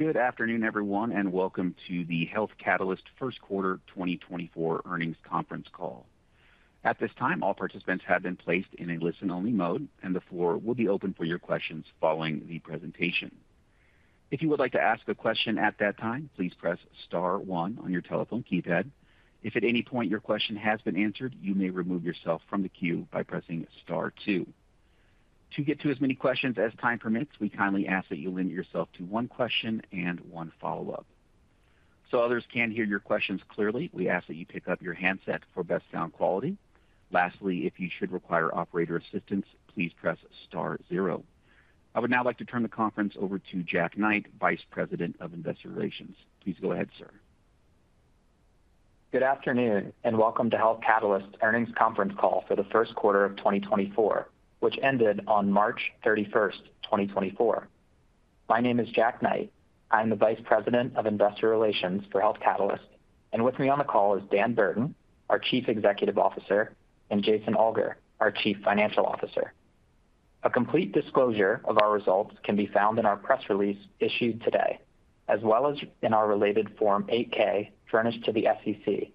Good afternoon, everyone, and welcome to the Health Catalyst First Quarter 2024 Earnings Conference Call. At this time, all participants have been placed in a listen-only mode, and the floor will be open for your questions following the presentation. If you would like to ask a question at that time, please press star one on your telephone keypad. If at any point your question has been answered, you may remove yourself from the queue by pressing star two. To get to as many questions as time permits, we kindly ask that you limit yourself to one question and one follow-up. So others can hear your questions clearly, we ask that you pick up your handset for best sound quality. Lastly, if you should require operator assistance, please press star zero. I would now like to turn the conference over to Jack Knight, Vice President of Investor Relations. Please go ahead, sir. Good afternoon and welcome to Health Catalyst Earnings Conference Call for the first quarter of 2024, which ended on March 31st, 2024. My name is Jack Knight. I'm the Vice President of Investor Relations for Health Catalyst, and with me on the call is Dan Burton, our Chief Executive Officer, and Jason Alger, our Chief Financial Officer. A complete disclosure of our results can be found in our press release issued today, as well as in our related Form 8-K furnished to the SEC,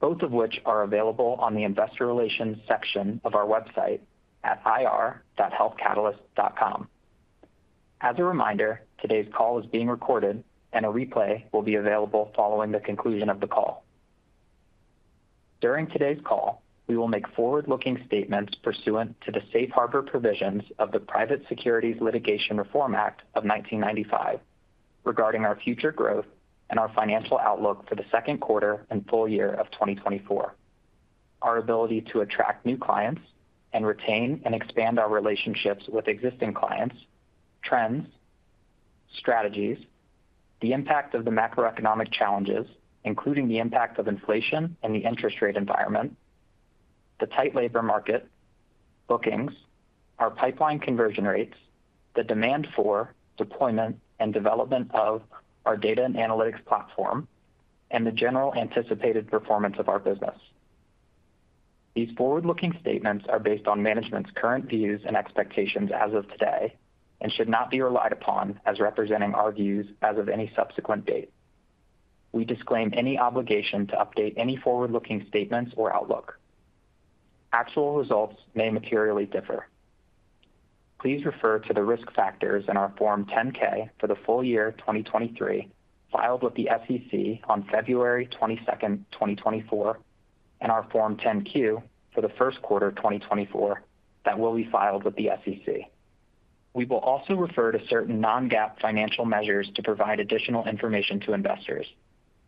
both of which are available on the Investor Relations section of our website at ir.healthcatalyst.com. As a reminder, today's call is being recorded, and a replay will be available following the conclusion of the call. During today's call, we will make forward-looking statements pursuant to the Safe Harbor provisions of the Private Securities Litigation Reform Act of 1995 regarding our future growth and our financial outlook for the second quarter and full year of 2024, our ability to attract new clients and retain and expand our relationships with existing clients, trends, strategies, the impact of the macroeconomic challenges, including the impact of inflation and the interest rate environment, the tight labor market, bookings, our pipeline conversion rates, the demand for, deployment, and development of our data and analytics platform, and the general anticipated performance of our business. These forward-looking statements are based on management's current views and expectations as of today and should not be relied upon as representing our views as of any subsequent date. We disclaim any obligation to update any forward-looking statements or outlook. Actual results may materially differ. Please refer to the risk factors in our Form 10-K for the full year 2023 filed with the SEC on February 22nd, 2024, and our Form 10-Q for the first quarter 2024 that will be filed with the SEC. We will also refer to certain non-GAAP financial measures to provide additional information to investors.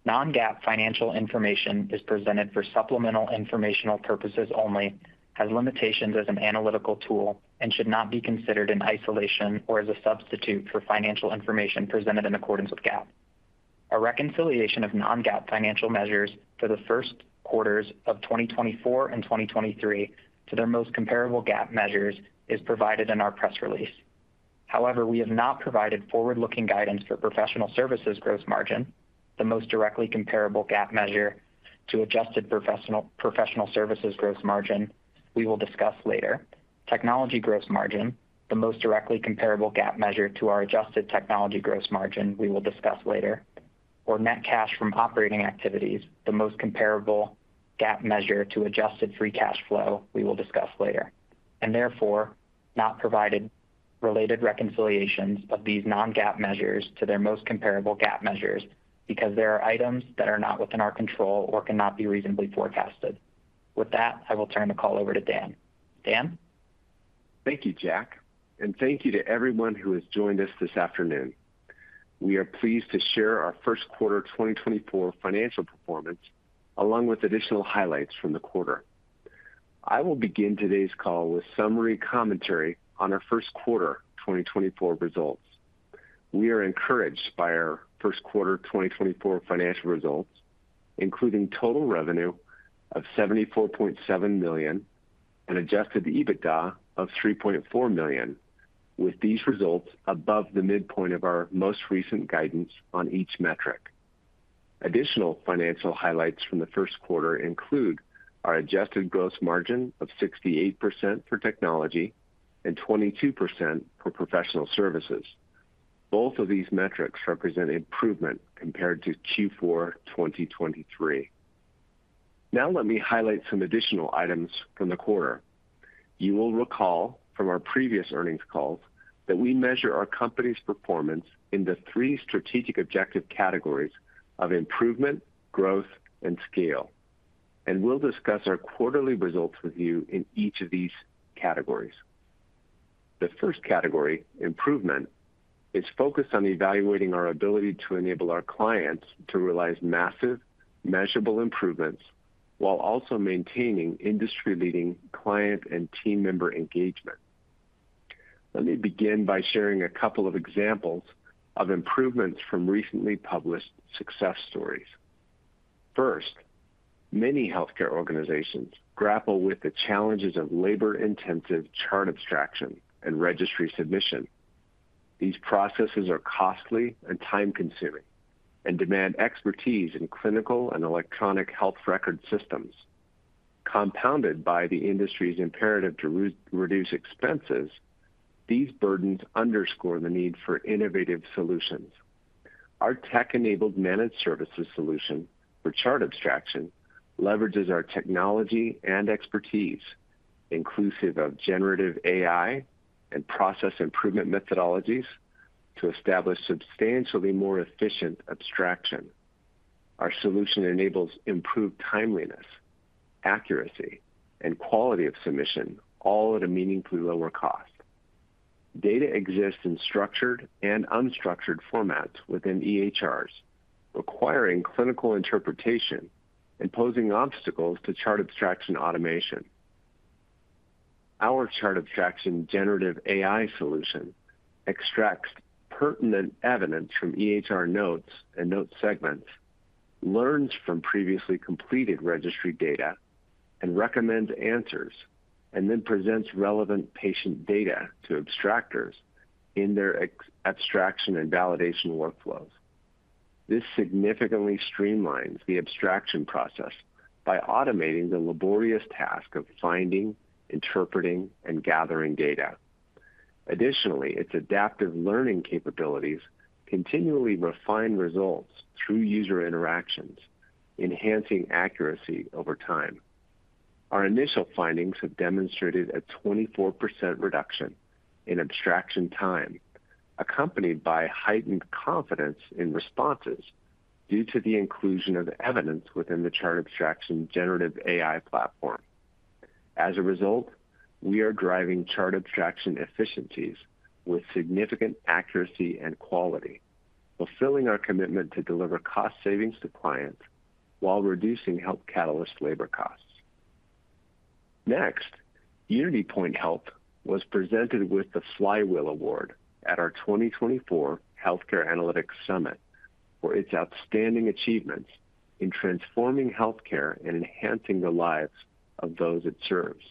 Non-GAAP financial information is presented for supplemental informational purposes only, has limitations as an analytical tool, and should not be considered in isolation or as a substitute for financial information presented in accordance with GAAP. A reconciliation of non-GAAP financial measures for the first quarters of 2024 and 2023 to their most comparable GAAP measures is provided in our press release. However, we have not provided forward-looking guidance for professional services gross margin, the most directly comparable GAAP measure to adjusted professional services gross margin we will discuss later, technology gross margin, the most directly comparable GAAP measure to our adjusted technology gross margin we will discuss later, or net cash from operating activities, the most comparable GAAP measure to adjusted free cash flow we will discuss later, and therefore not provided related reconciliations of these non-GAAP measures to their most comparable GAAP measures because there are items that are not within our control or cannot be reasonably forecasted. With that, I will turn the call over to Dan. Dan? Thank you, Jack, and thank you to everyone who has joined us this afternoon. We are pleased to share our first quarter 2024 financial performance along with additional highlights from the quarter. I will begin today's call with summary commentary on our first quarter 2024 results. We are encouraged by our first quarter 2024 financial results, including total revenue of $74.7 million and Adjusted EBITDA of $3.4 million, with these results above the midpoint of our most recent guidance on each metric. Additional financial highlights from the first quarter include our Adjusted gross margin of 68% for technology and 22% for professional services. Both of these metrics represent improvement compared to Q4 2023. Now let me highlight some additional items from the quarter. You will recall from our previous earnings calls that we measure our company's performance into three strategic objective categories of improvement, growth, and scale, and we'll discuss our quarterly results with you in each of these categories. The first category, improvement, is focused on evaluating our ability to enable our clients to realize massive, measurable improvements while also maintaining industry-leading client and team member engagement. Let me begin by sharing a couple of examples of improvements from recently published success stories. First, many healthcare organizations grapple with the challenges of labor-intensive chart abstraction and registry submission. These processes are costly and time-consuming and demand expertise in clinical and electronic health record systems. Compounded by the industry's imperative to reduce expenses, these burdens underscore the need for innovative solutions. Our tech-enabled managed services solution for chart abstraction leverages our technology and expertise, inclusive of generative AI and process improvement methodologies, to establish substantially more efficient abstraction. Our solution enables improved timeliness, accuracy, and quality of submission, all at a meaningfully lower cost. Data exists in structured and unstructured formats within EHRs, requiring clinical interpretation and posing obstacles to chart abstraction automation. Our chart abstraction generative AI solution extracts pertinent evidence from EHR notes and note segments, learns from previously completed registry data, and recommends answers, and then presents relevant patient data to abstractors in their abstraction and validation workflows. This significantly streamlines the abstraction process by automating the laborious task of finding, interpreting, and gathering data. Additionally, its adaptive learning capabilities continually refine results through user interactions, enhancing accuracy over time. Our initial findings have demonstrated a 24% reduction in abstraction time, accompanied by heightened confidence in responses due to the inclusion of evidence within the Chart Abstraction Generative AI platform. As a result, we are driving Chart Abstraction efficiencies with significant accuracy and quality, fulfilling our commitment to deliver cost savings to clients while reducing Health Catalyst labor costs. Next, UnityPoint Health was presented with the Flywheel Award at our 2024 Healthcare Analytics Summit for its outstanding achievements in transforming healthcare and enhancing the lives of those it serves.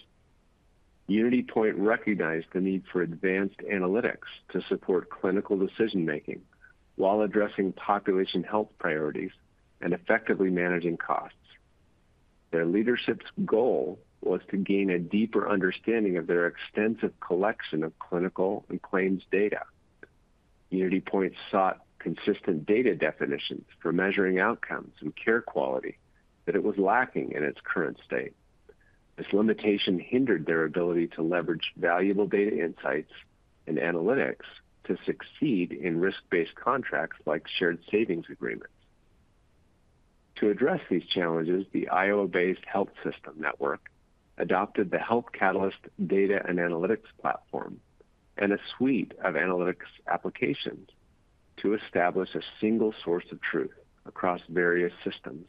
UnityPoint recognized the need for advanced analytics to support clinical decision-making while addressing population health priorities and effectively managing costs. Their leadership's goal was to gain a deeper understanding of their extensive collection of clinical and claims data. UnityPoint sought consistent data definitions for measuring outcomes and care quality that it was lacking in its current state. This limitation hindered their ability to leverage valuable data insights and analytics to succeed in risk-based contracts like shared savings agreements. To address these challenges, the Iowa-based Health System Network adopted the Health Catalyst Data and Analytics Platform and a suite of analytics applications to establish a single source of truth across various systems.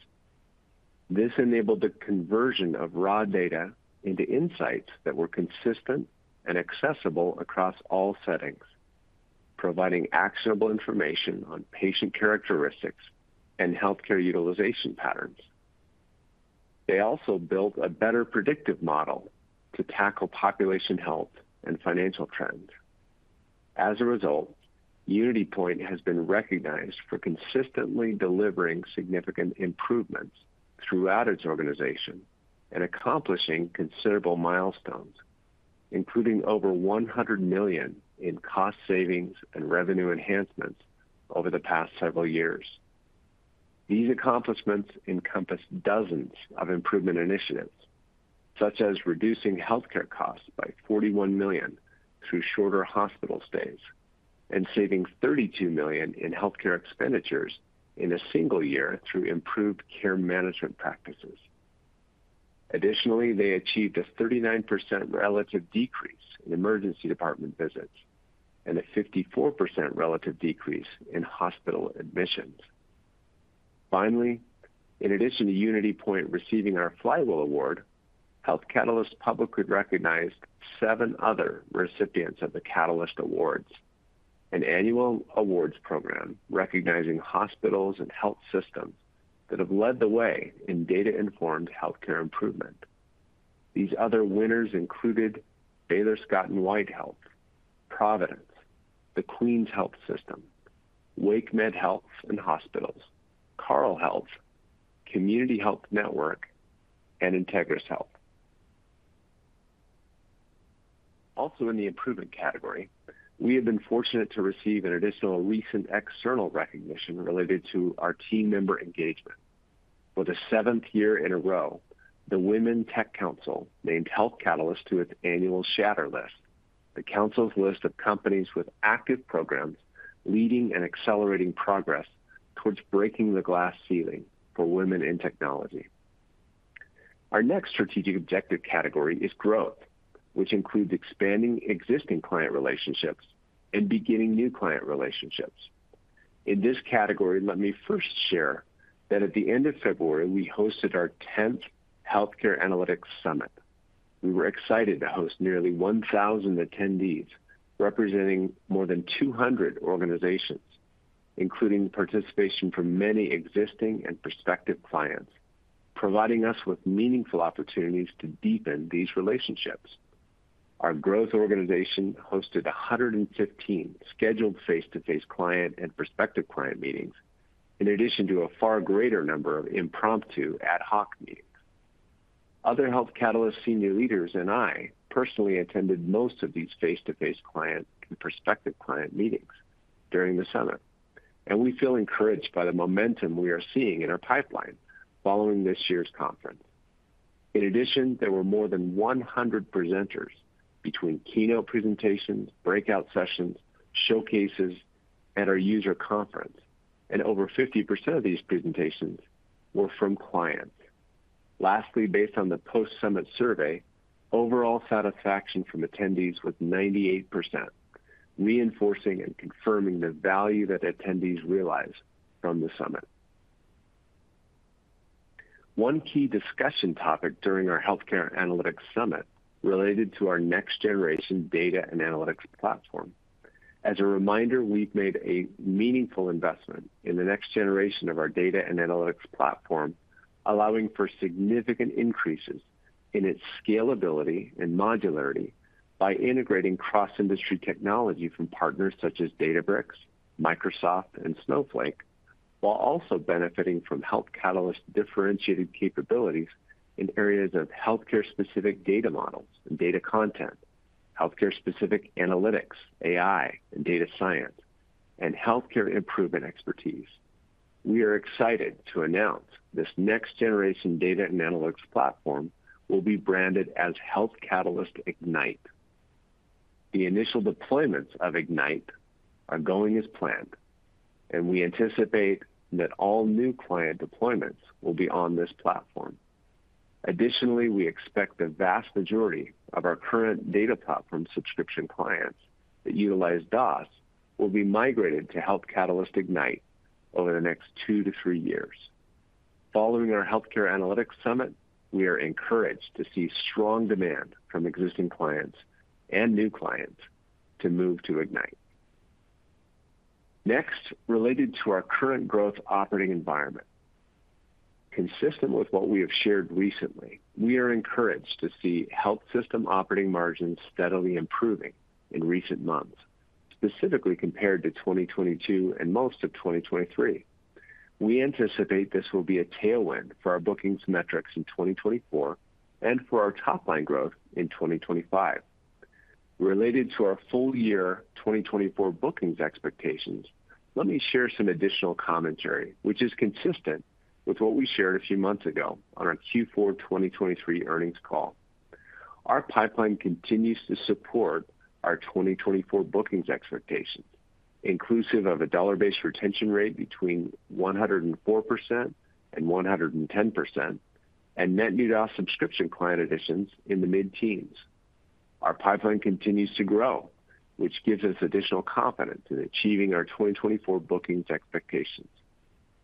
This enabled the conversion of raw data into insights that were consistent and accessible across all settings, providing actionable information on patient characteristics and healthcare utilization patterns. They also built a better predictive model to tackle population health and financial trends. As a result, UnityPoint has been recognized for consistently delivering significant improvements throughout its organization and accomplishing considerable milestones, including over $100 million in cost savings and revenue enhancements over the past several years. These accomplishments encompass dozens of improvement initiatives, such as reducing healthcare costs by $41 million through shorter hospital stays and saving $32 million in healthcare expenditures in a single year through improved care management practices. Additionally, they achieved a 39% relative decrease in emergency department visits and a 54% relative decrease in hospital admissions. Finally, in addition to UnityPoint receiving our Flywheel Award, Health Catalyst publicly recognized seven other recipients of the Catalyst Awards, an annual awards program recognizing hospitals and health systems that have led the way in data-informed healthcare improvement. These other winners included Baylor Scott & White Health, Providence, The Queen's Health System, WakeMed Health and Hospitals, Carle Health, Community Health Network, and Integris Health. Also in the improvement category, we have been fortunate to receive an additional recent external recognition related to our team member engagement. For the seventh year in a row, the Women Tech Council named Health Catalyst to its annual Shatter List, the council's list of companies with active programs leading and accelerating progress towards breaking the glass ceiling for women in technology. Our next strategic objective category is growth, which includes expanding existing client relationships and beginning new client relationships. In this category, let me first share that at the end of February, we hosted our 10th Healthcare Analytics Summit. We were excited to host nearly 1,000 attendees representing more than 200 organizations, including participation from many existing and prospective clients, providing us with meaningful opportunities to deepen these relationships. Our growth organization hosted 115 scheduled face-to-face client and prospective client meetings, in addition to a far greater number of impromptu ad hoc meetings. Other Health Catalyst senior leaders and I personally attended most of these face-to-face client and prospective client meetings during the summer, and we feel encouraged by the momentum we are seeing in our pipeline following this year's conference. In addition, there were more than 100 presenters between keynote presentations, breakout sessions, showcases, and our user conference, and over 50% of these presentations were from clients. Lastly, based on the post-summit survey, overall satisfaction from attendees was 98%, reinforcing and confirming the value that attendees realized from the summit. One key discussion topic during our Healthcare Analytics Summit related to our next-generation data and analytics platform. As a reminder, we've made a meaningful investment in the next generation of our data and analytics platform, allowing for significant increases in its scalability and modularity by integrating cross-industry technology from partners such as Databricks, Microsoft, and Snowflake, while also benefiting from Health Catalyst differentiated capabilities in areas of healthcare-specific data models and data content, healthcare-specific analytics, AI, and data science, and healthcare improvement expertise. We are excited to announce this next-generation data and analytics platform will be branded as Health Catalyst Ignite. The initial deployments of Ignite are going as planned, and we anticipate that all new client deployments will be on this platform. Additionally, we expect the vast majority of our current data platform subscription clients that utilize DOS will be migrated to Health Catalyst Ignite over the next two to three years. Following our Healthcare Analytics Summit, we are encouraged to see strong demand from existing clients and new clients to move to Ignite. Next, related to our current growth operating environment. Consistent with what we have shared recently, we are encouraged to see health system operating margins steadily improving in recent months, specifically compared to 2022 and most of 2023. We anticipate this will be a tailwind for our bookings metrics in 2024 and for our top-line growth in 2025. Related to our full-year 2024 bookings expectations, let me share some additional commentary, which is consistent with what we shared a few months ago on our Q4 2023 earnings call. Our pipeline continues to support our 2024 bookings expectations, inclusive of a dollar-based retention rate between 104% and 110%, and net new DOS subscription client additions in the mid-teens. Our pipeline continues to grow, which gives us additional confidence in achieving our 2024 bookings expectations.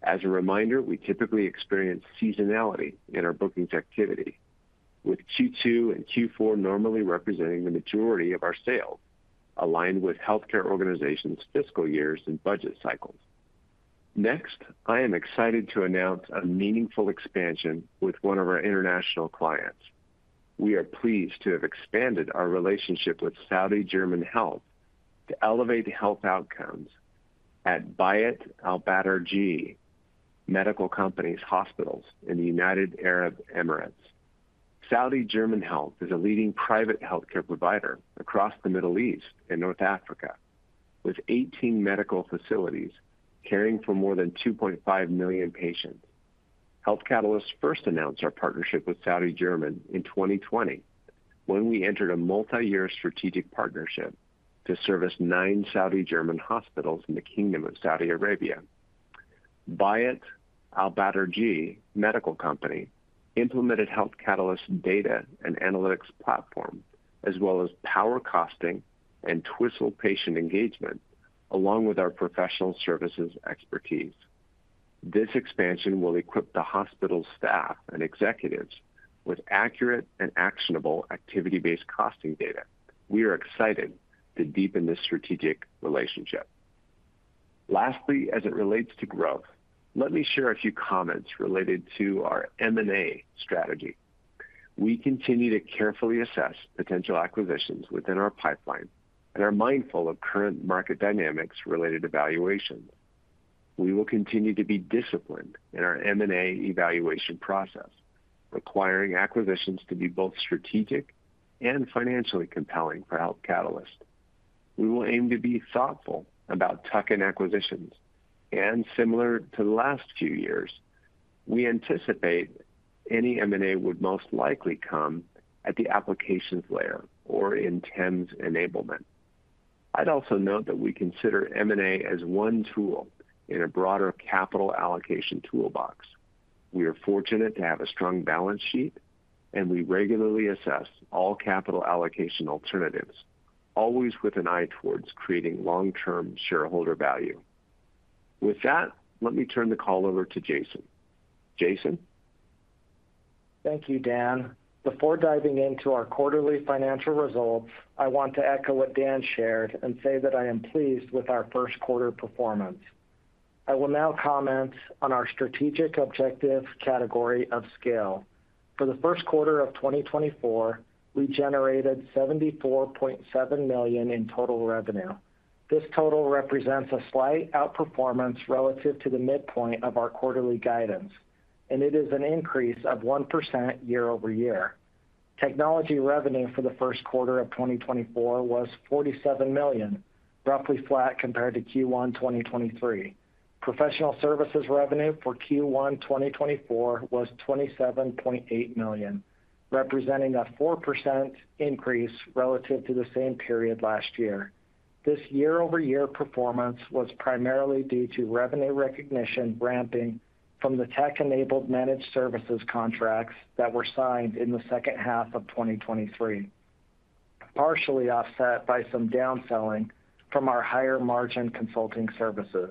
As a reminder, we typically experience seasonality in our bookings activity, with Q2 and Q4 normally representing the majority of our sales, aligned with healthcare organizations' fiscal years and budget cycles. Next, I am excited to announce a meaningful expansion with one of our international clients. We are pleased to have expanded our relationship with Saudi German Health to elevate health outcomes at Bait Al Batterjee Medical Company's hospitals in the United Arab Emirates. Saudi German Health is a leading private healthcare provider across the Middle East and North Africa, with 18 medical facilities caring for more than 2.5 million patients. Health Catalyst first announced our partnership with Saudi German Health in 2020, when we entered a multi-year strategic partnership to service nine Saudi German hospitals in the Kingdom of Saudi Arabia. Bait Al Batterjee Medical Company implemented Health Catalyst's data and analytics platform, as well as PowerCosting and Twistle patient engagement, along with our professional services expertise. This expansion will equip the hospital staff and executives with accurate and actionable activity-based costing data. We are excited to deepen this strategic relationship. Lastly, as it relates to growth, let me share a few comments related to our M&A strategy. We continue to carefully assess potential acquisitions within our pipeline and are mindful of current market dynamics related to valuations. We will continue to be disciplined in our M&A evaluation process, requiring acquisitions to be both strategic and financially compelling for Health Catalyst. We will aim to be thoughtful about tuck-in acquisitions, and similar to the last few years, we anticipate any M&A would most likely come at the applications layer or in TEMS enablement. I'd also note that we consider M&A as one tool in a broader capital allocation toolbox. We are fortunate to have a strong balance sheet, and we regularly assess all capital allocation alternatives, always with an eye towards creating long-term shareholder value. With that, let me turn the call over to Jason. Jason. Thank you, Dan. Before diving into our quarterly financial results, I want to echo what Dan shared and say that I am pleased with our first quarter performance. I will now comment on our strategic objective category of scale. For the first quarter of 2024, we generated $74.7 million in total revenue. This total represents a slight outperformance relative to the midpoint of our quarterly guidance, and it is an increase of 1% year-over-year. Technology revenue for the first quarter of 2024 was $47 million, roughly flat compared to Q1 2023. Professional services revenue for Q1 2024 was $27.8 million, representing a 4% increase relative to the same period last year. This year-over-year performance was primarily due to revenue recognition ramping from the tech-enabled managed services contracts that were signed in the second half of 2023, partially offset by some downselling from our higher-margin consulting services.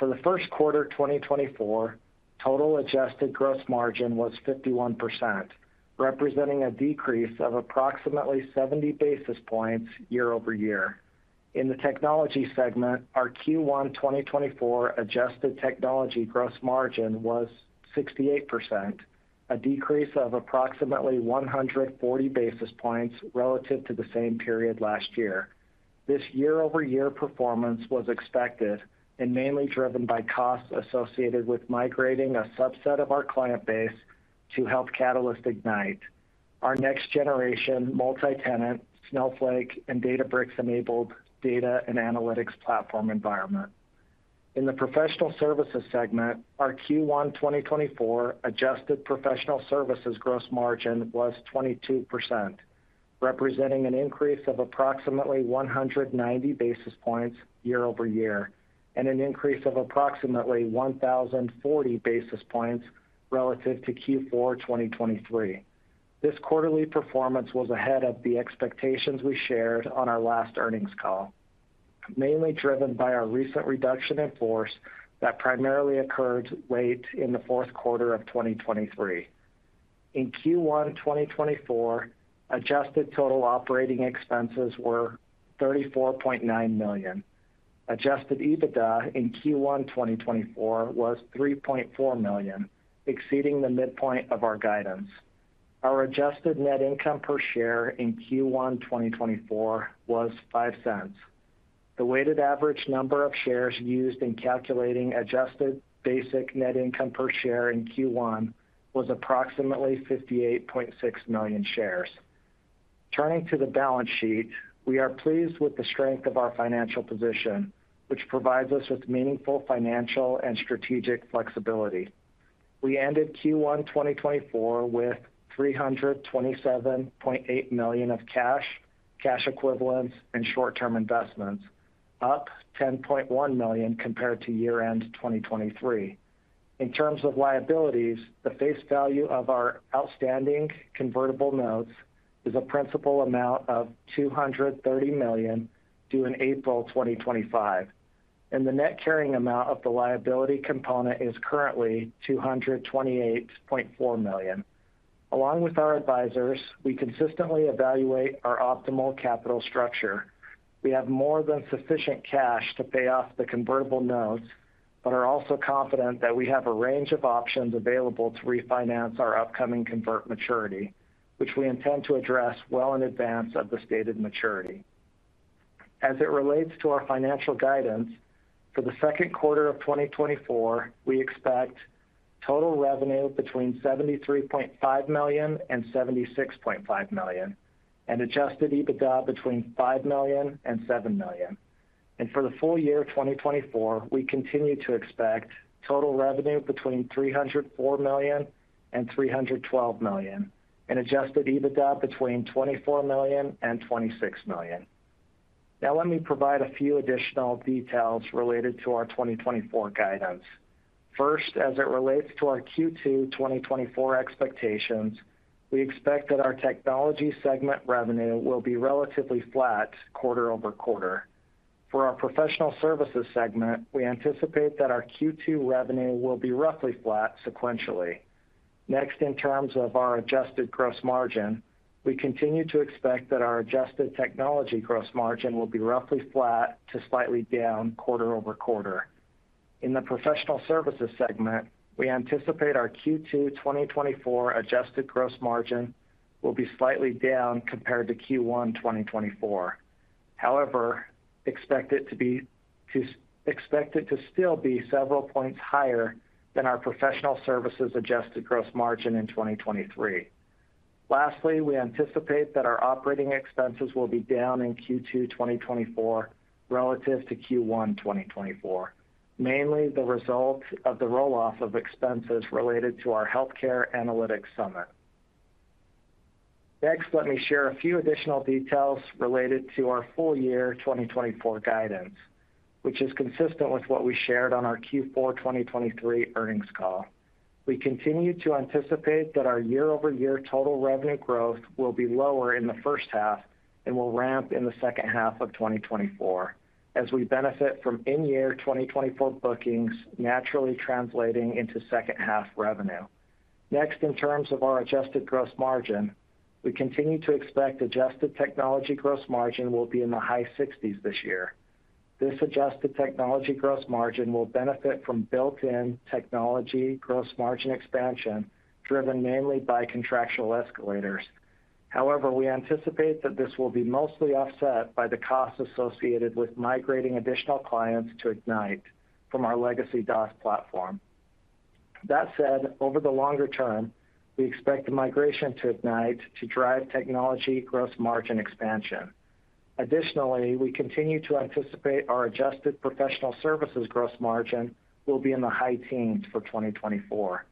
For the first quarter 2024, total adjusted gross margin was 51%, representing a decrease of approximately 70 basis points year-over-year. In the technology segment, our Q1 2024 adjusted technology gross margin was 68%, a decrease of approximately 140 basis points relative to the same period last year. This year-over-year performance was expected and mainly driven by costs associated with migrating a subset of our client base to Health Catalyst Ignite, our next-generation multi-tenant Snowflake and Databricks-enabled data and analytics platform environment. In the professional services segment, our Q1 2024 adjusted professional services gross margin was 22%, representing an increase of approximately 190 basis points year-over-year and an increase of approximately 1,040 basis points relative to Q4 2023. This quarterly performance was ahead of the expectations we shared on our last earnings call, mainly driven by our recent reduction in force that primarily occurred late in the fourth quarter of 2023. In Q1 2024, adjusted total operating expenses were $34.9 million. Adjusted EBITDA in Q1 2024 was $3.4 million, exceeding the midpoint of our guidance. Our adjusted net income per share in Q1 2024 was $0.05. The weighted average number of shares used in calculating adjusted basic net income per share in Q1 was approximately 58.6 million shares. Turning to the balance sheet, we are pleased with the strength of our financial position, which provides us with meaningful financial and strategic flexibility. We ended Q1 2024 with $327.8 million of cash, cash equivalents, and short-term investments, up $10.1 million compared to year-end 2023. In terms of liabilities, the face value of our outstanding convertible notes is a principal amount of $230 million due in April 2025, and the net carrying amount of the liability component is currently $228.4 million. Along with our advisors, we consistently evaluate our optimal capital structure. We have more than sufficient cash to pay off the convertible notes but are also confident that we have a range of options available to refinance our upcoming convert maturity, which we intend to address well in advance of the stated maturity. As it relates to our financial guidance, for the second quarter of 2024, we expect total revenue between $73.5 million and $76.5 million and Adjusted EBITDA between $5 million and $7 million. For the full year 2024, we continue to expect total revenue between $304 million and $312 million and Adjusted EBITDA between $24 million and $26 million. Now, let me provide a few additional details related to our 2024 guidance. First, as it relates to our Q2 2024 expectations, we expect that our technology segment revenue will be relatively flat quarter-over-quarter. For our professional services segment, we anticipate that our Q2 revenue will be roughly flat sequentially. Next, in terms of our adjusted gross margin, we continue to expect that our adjusted technology gross margin will be roughly flat to slightly down quarter-over-quarter. In the professional services segment, we anticipate our Q2 2024 adjusted gross margin will be slightly down compared to Q1 2024. However, expect it to still be several points higher than our professional services adjusted gross margin in 2023. Lastly, we anticipate that our operating expenses will be down in Q2 2024 relative to Q1 2024, mainly the result of the roll-off of expenses related to our Healthcare Analytics Summit. Next, let me share a few additional details related to our full year 2024 guidance, which is consistent with what we shared on our Q4 2023 earnings call. We continue to anticipate that our year-over-year total revenue growth will be lower in the first half and will ramp in the second half of 2024, as we benefit from in-year 2024 bookings naturally translating into second-half revenue. Next, in terms of our adjusted gross margin, we continue to expect adjusted technology gross margin will be in the high 60s this year. This adjusted technology gross margin will benefit from built-in technology gross margin expansion driven mainly by contractual escalators. However, we anticipate that this will be mostly offset by the costs associated with migrating additional clients to Ignite from our legacy DOS platform. That said, over the longer term, we expect the migration to Ignite to drive technology gross margin expansion. Additionally, we continue to anticipate our adjusted professional services gross margin will be in the high teens for 2024.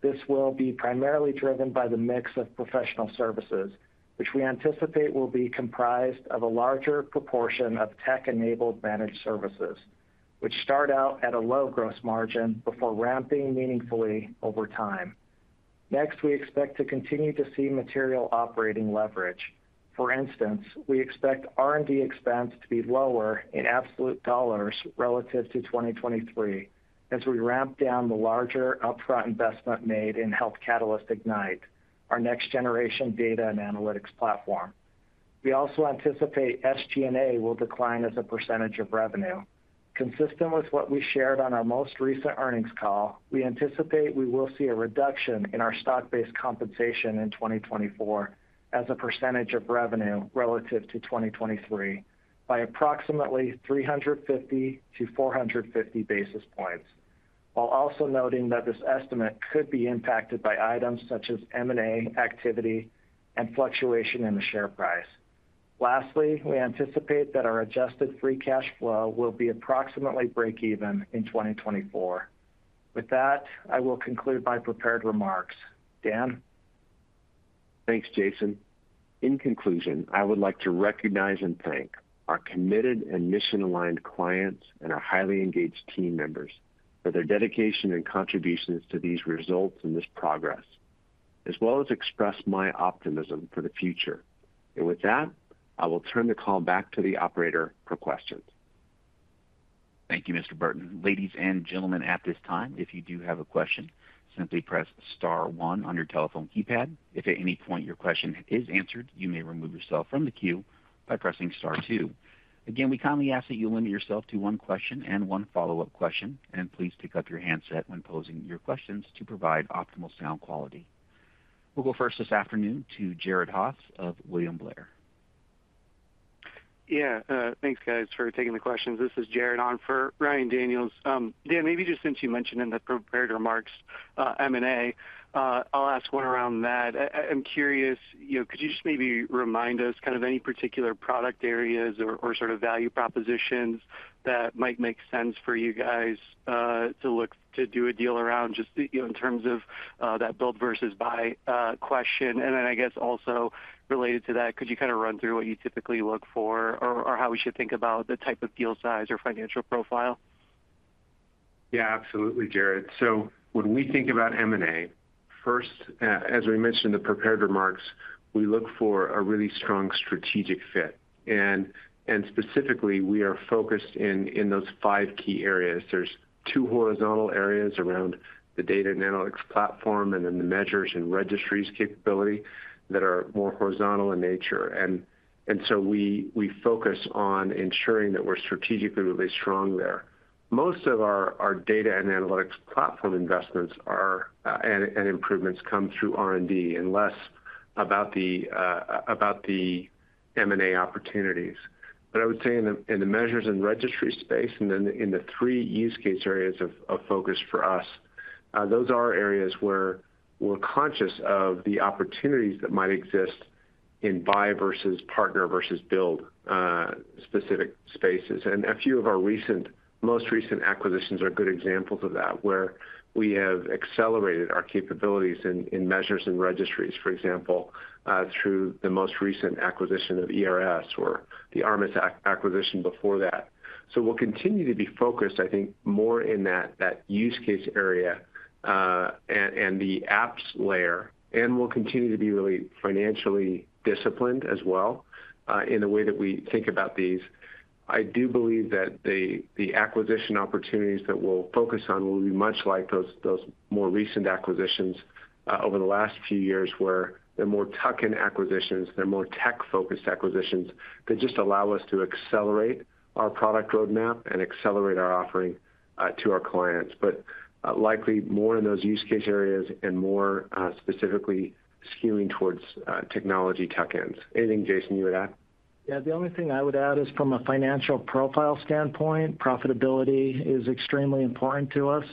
This will be primarily driven by the mix of professional services, which we anticipate will be comprised of a larger proportion of tech-enabled managed services, which start out at a low gross margin before ramping meaningfully over time. Next, we expect to continue to see material operating leverage. For instance, we expect R&D expense to be lower in absolute dollars relative to 2023 as we ramp down the larger upfront investment made in Health Catalyst Ignite, our next-generation data and analytics platform. We also anticipate SG&A will decline as a percentage of revenue. Consistent with what we shared on our most recent earnings call, we anticipate we will see a reduction in our stock-based compensation in 2024 as a percentage of revenue relative to 2023 by approximately 350-450 basis points, while also noting that this estimate could be impacted by items such as M&A activity and fluctuation in the share price. Lastly, we anticipate that our adjusted free cash flow will be approximately break-even in 2024. With that, I will conclude my prepared remarks. Dan. Thanks, Jason. In conclusion, I would like to recognize and thank our committed and mission-aligned clients and our highly engaged team members for their dedication and contributions to these results and this progress, as well as express my optimism for the future. With that, I will turn the call back to the operator for questions. Thank you, Mr. Burton. Ladies and gentlemen, at this time, if you do have a question, simply press star one on your telephone keypad. If at any point your question is answered, you may remove yourself from the queue by pressing star two. Again, we kindly ask that you limit yourself to one question and one follow-up question, and please pick up your handset when posing your questions to provide optimal sound quality. We'll go first this afternoon to Jared Haase of William Blair. Yeah. Thanks, guys, for taking the questions. This is Jared on for Ryan Daniels. Dan, maybe just since you mentioned in the prepared remarks M&A, I'll ask one around that. I'm curious, could you just maybe remind us kind of any particular product areas or sort of value propositions that might make sense for you guys to look to do a deal around just in terms of that build versus buy question? And then, I guess, also related to that, could you kind of run through what you typically look for or how we should think about the type of deal size or financial profile? Yeah, absolutely, Jared. So when we think about M&A, first, as we mentioned in the prepared remarks, we look for a really strong strategic fit. And specifically, we are focused in those five key areas. There's two horizontal areas around the data and analytics platform and then the measures and registries capability that are more horizontal in nature. And so we focus on ensuring that we're strategically really strong there. Most of our data and analytics platform investments and improvements come through R&D and less about the M&A opportunities. But I would say in the measures and registry space and then in the three use case areas of focus for us, those are areas where we're conscious of the opportunities that might exist in buy versus partner versus build specific spaces. And a few of our most recent acquisitions are good examples of that, where we have accelerated our capabilities in measures and registries, for example, through the most recent acquisition of ERS or the ARMUS acquisition before that. So we'll continue to be focused, I think, more in that use case area and the apps layer, and we'll continue to be really financially disciplined as well in the way that we think about these. I do believe that the acquisition opportunities that we'll focus on will be much like those more recent acquisitions over the last few years, where they're more tuck-in acquisitions. They're more tech-focused acquisitions that just allow us to accelerate our product roadmap and accelerate our offering to our clients, but likely more in those use case areas and more specifically skewing towards technology tuck-ins. Anything, Jason, you would add? Yeah. The only thing I would add is from a financial profile standpoint, profitability is extremely important to us.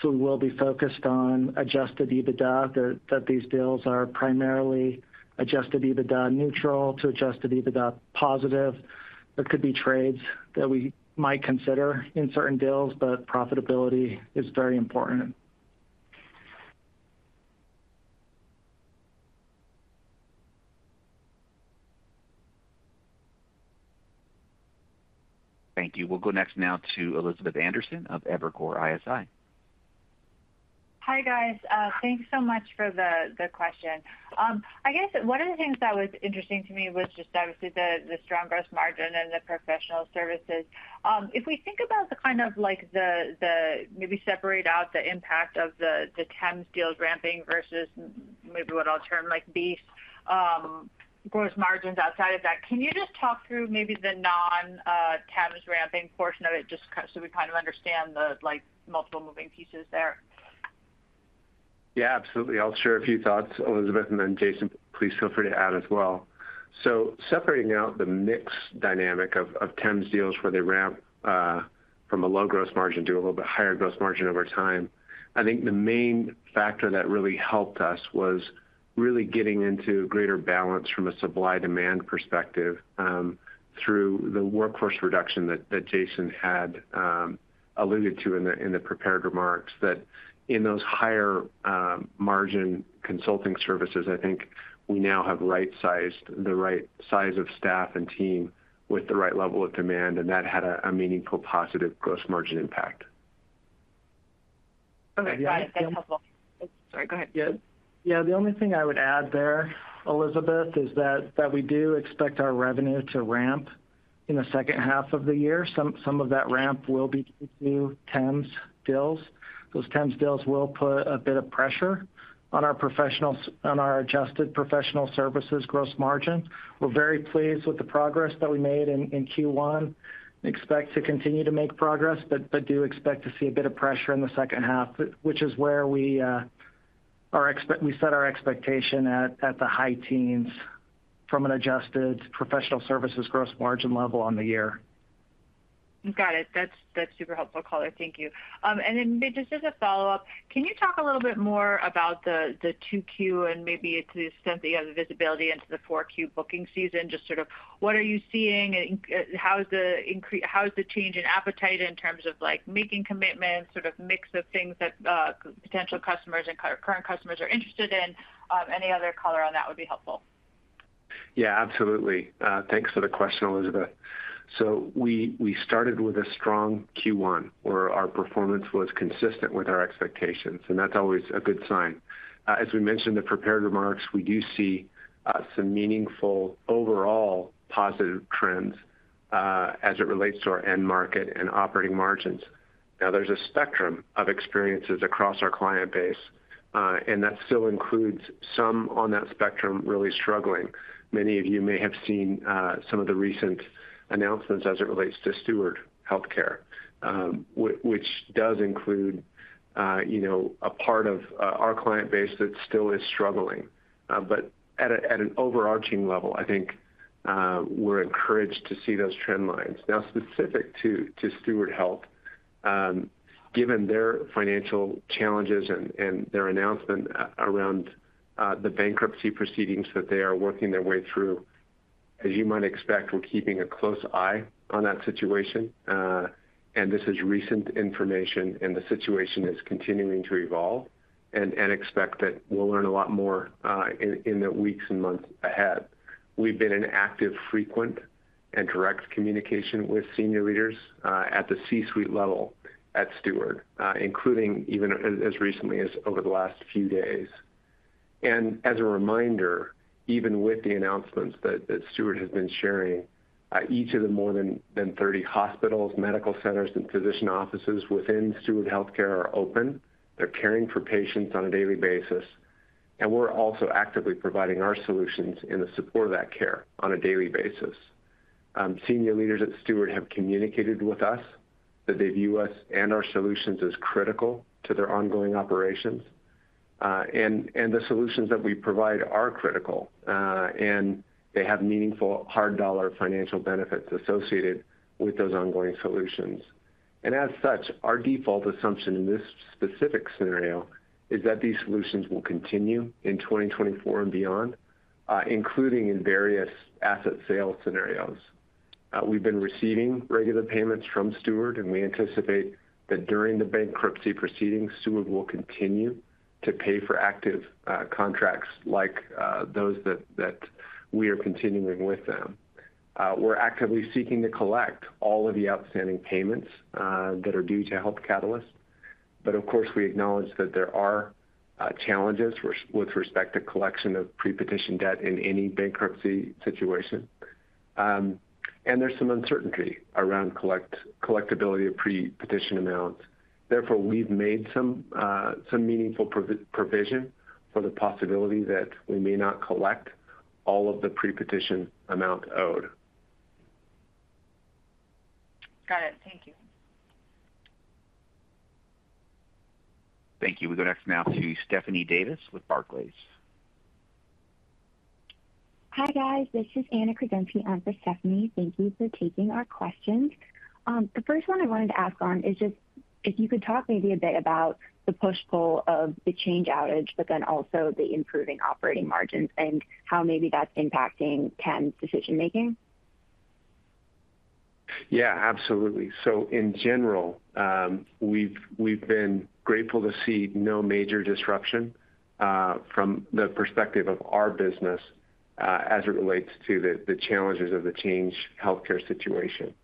So we will be focused on Adjusted EBITDA, that these deals are primarily Adjusted EBITDA neutral to Adjusted EBITDA positive. There could be trades that we might consider in certain deals, but profitability is very important. Thank you. We'll go next now to Elizabeth Anderson of Evercore ISI. Hi, guys. Thanks so much for the question. I guess one of the things that was interesting to me was just obviously the strong gross margin and the professional services. If we think about the kind of maybe separate out the impact of the TEMS deals ramping versus maybe what I'll term base gross margins outside of that, can you just talk through maybe the non-TEMS ramping portion of it just so we kind of understand the multiple moving pieces there? Yeah, absolutely. I'll share a few thoughts, Elizabeth, and then Jason, please feel free to add as well. So separating out the mixed dynamic of TEMS deals, where they ramp from a low gross margin to a little bit higher gross margin over time, I think the main factor that really helped us was really getting into greater balance from a supply-demand perspective through the workforce reduction that Jason had alluded to in the prepared remarks, that in those higher margin consulting services, I think we now have right-sized the right size of staff and team with the right level of demand, and that had a meaningful positive gross margin impact. Okay. That's helpful. Sorry. Go ahead. Yeah. The only thing I would add there, Elizabeth, is that we do expect our revenue to ramp in the second half of the year. Some of that ramp will be due to TEMS deals. Those TEMS deals will put a bit of pressure on our adjusted professional services gross margin. We're very pleased with the progress that we made in Q1, expect to continue to make progress, but do expect to see a bit of pressure in the second half, which is where we set our expectation at the high teens from an adjusted professional services gross margin level on the year. Got it. That's super helpful, caller. Thank you. And then maybe just as a follow-up, can you talk a little bit more about the 2Q and maybe to the extent that you have the visibility into the 4Q booking season, just sort of what are you seeing, and how is the change in appetite in terms of making commitments, sort of mix of things that potential customers and current customers are interested in? Any other color, caller, on that would be helpful. Yeah, absolutely. Thanks for the question, Elizabeth. So we started with a strong Q1, where our performance was consistent with our expectations, and that's always a good sign. As we mentioned in the prepared remarks, we do see some meaningful overall positive trends as it relates to our end market and operating margins. Now, there's a spectrum of experiences across our client base, and that still includes some on that spectrum really struggling. Many of you may have seen some of the recent announcements as it relates to Steward Health Care, which does include a part of our client base that still is struggling. But at an overarching level, I think we're encouraged to see those trend lines. Now, specific to Steward Health, given their financial challenges and their announcement around the bankruptcy proceedings that they are working their way through, as you might expect, we're keeping a close eye on that situation. This is recent information, and the situation is continuing to evolve. We expect that we'll learn a lot more in the weeks and months ahead. We've been in active, frequent, and direct communication with senior leaders at the C-suite level at Steward, including even as recently as over the last few days. As a reminder, even with the announcements that Steward has been sharing, each of the more than 30 hospitals, medical centers, and physician offices within Steward Health Care are open. They're caring for patients on a daily basis. We're also actively providing our solutions in the support of that care on a daily basis. Senior leaders at Steward have communicated with us that they view us and our solutions as critical to their ongoing operations. The solutions that we provide are critical, and they have meaningful hard-dollar financial benefits associated with those ongoing solutions. As such, our default assumption in this specific scenario is that these solutions will continue in 2024 and beyond, including in various asset sale scenarios. We've been receiving regular payments from Steward, and we anticipate that during the bankruptcy proceedings, Steward will continue to pay for active contracts like those that we are continuing with them. We're actively seeking to collect all of the outstanding payments that are due to Health Catalyst. But of course, we acknowledge that there are challenges with respect to collection of pre-petition debt in any bankruptcy situation. And there's some uncertainty around collectibility of pre-petition amounts. Therefore, we've made some meaningful provision for the possibility that we may not collect all of the pre-petition amount owed. Got it. Thank you. Thank you. We go next now to Stephanie Davis with Barclays. Hi, guys. This is Anna Kruszenski on for Stephanie. Thank you for taking our questions. The first one I wanted to ask on is just if you could talk maybe a bit about the push-pull of the Change Healthcare outage, but then also the improving operating margins and how maybe that's impacting TEMS decision-making. Yeah, absolutely. So in general, we've been grateful to see no major disruption from the perspective of our business as it relates to the challenges of the Change Healthcare situation.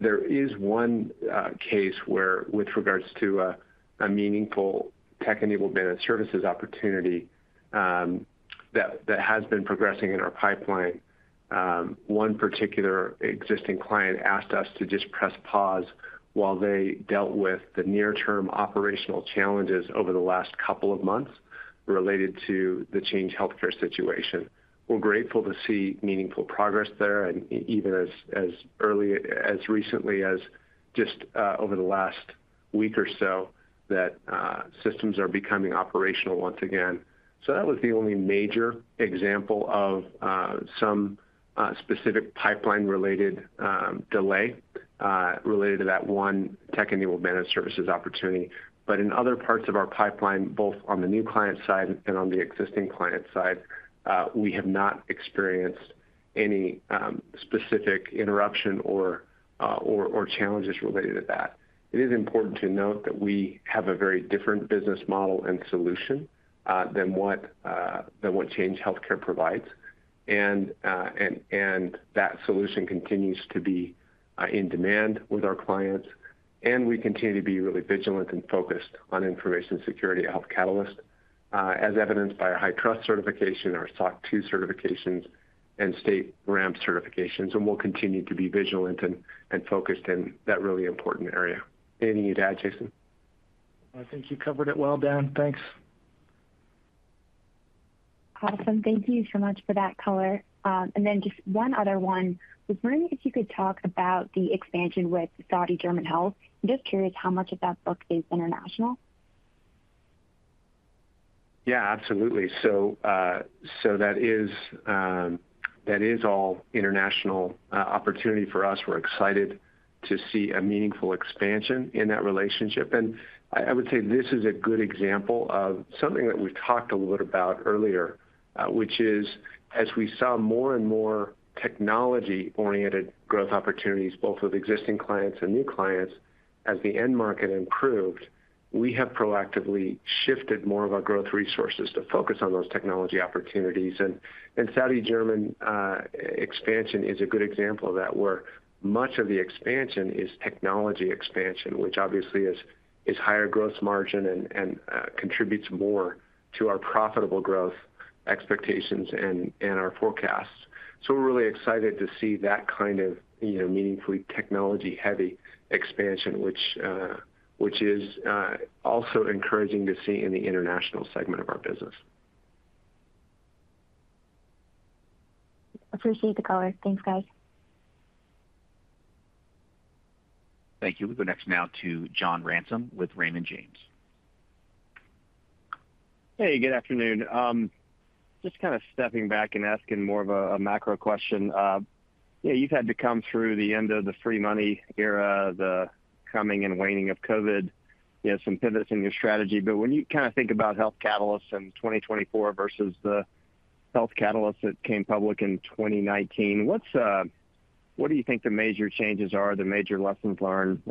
There is one case where, with regards to a meaningful tech-enabled managed services opportunity that has been progressing in our pipeline, one particular existing client asked us to just press pause while they dealt with the near-term operational challenges over the last couple of months related to the Change Healthcare situation. We're grateful to see meaningful progress there, and even as recently as just over the last week or so that systems are becoming operational once again. So that was the only major example of some specific pipeline-related delay related to that one tech-enabled managed services opportunity. But in other parts of our pipeline, both on the new client side and on the existing client side, we have not experienced any specific interruption or challenges related to that. It is important to note that we have a very different business model and solution than what Change Healthcare provides. That solution continues to be in demand with our clients. We continue to be really vigilant and focused on information security at Health Catalyst, as evidenced by our HITRUST certification, our SOC 2 certifications, and StateRAMP certifications. We'll continue to be vigilant and focused in that really important area. Anything you'd add, Jason? I think you covered it well, Dan. Thanks. Awesome. Thank you so much for that, Caller. And then just one other one. I was wondering if you could talk about the expansion with Saudi German Health. I'm just curious how much of that book is international. Yeah, absolutely. So that is all international opportunity for us. We're excited to see a meaningful expansion in that relationship. And I would say this is a good example of something that we've talked a little bit about earlier, which is, as we saw more and more technology-oriented growth opportunities, both with existing clients and new clients, as the end market improved, we have proactively shifted more of our growth resources to focus on those technology opportunities. Saudi German expansion is a good example of that, where much of the expansion is technology expansion, which obviously is higher growth margin and contributes more to our profitable growth expectations and our forecasts. We're really excited to see that kind of meaningfully technology-heavy expansion, which is also encouraging to see in the international segment of our business. Appreciate the color. Thanks, guys. Thank you. We go next now to John Ransom with Raymond James. Hey, good afternoon. Just kind of stepping back and asking more of a macro question. You've had to come through the end of the free money era, the coming and waning of COVID, some pivots in your strategy. But when you kind of think about Health Catalyst in 2024 versus the Health Catalyst that came public in 2019, what do you think the major changes are, the major lessons learned?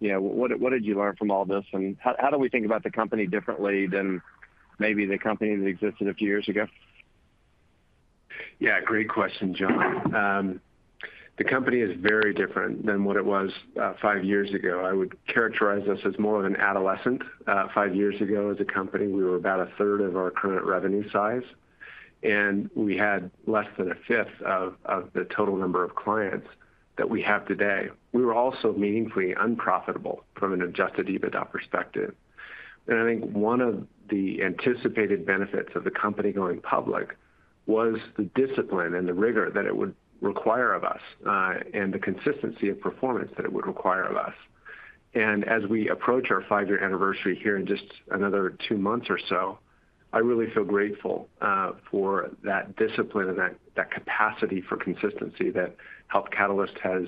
What did you learn from all this? And how do we think about the company differently than maybe the company that existed a few years ago? Yeah, great question, John. The company is very different than what it was five years ago. I would characterize us as more of an adolescent five years ago as a company. We were about a third of our current revenue size, and we had less than a fifth of the total number of clients that we have today. We were also meaningfully unprofitable from an Adjusted EBITDA perspective. And I think one of the anticipated benefits of the company going public was the discipline and the rigor that it would require of us and the consistency of performance that it would require of us. And as we approach our five-year anniversary here in just another two months or so, I really feel grateful for that discipline and that capacity for consistency that Health Catalyst has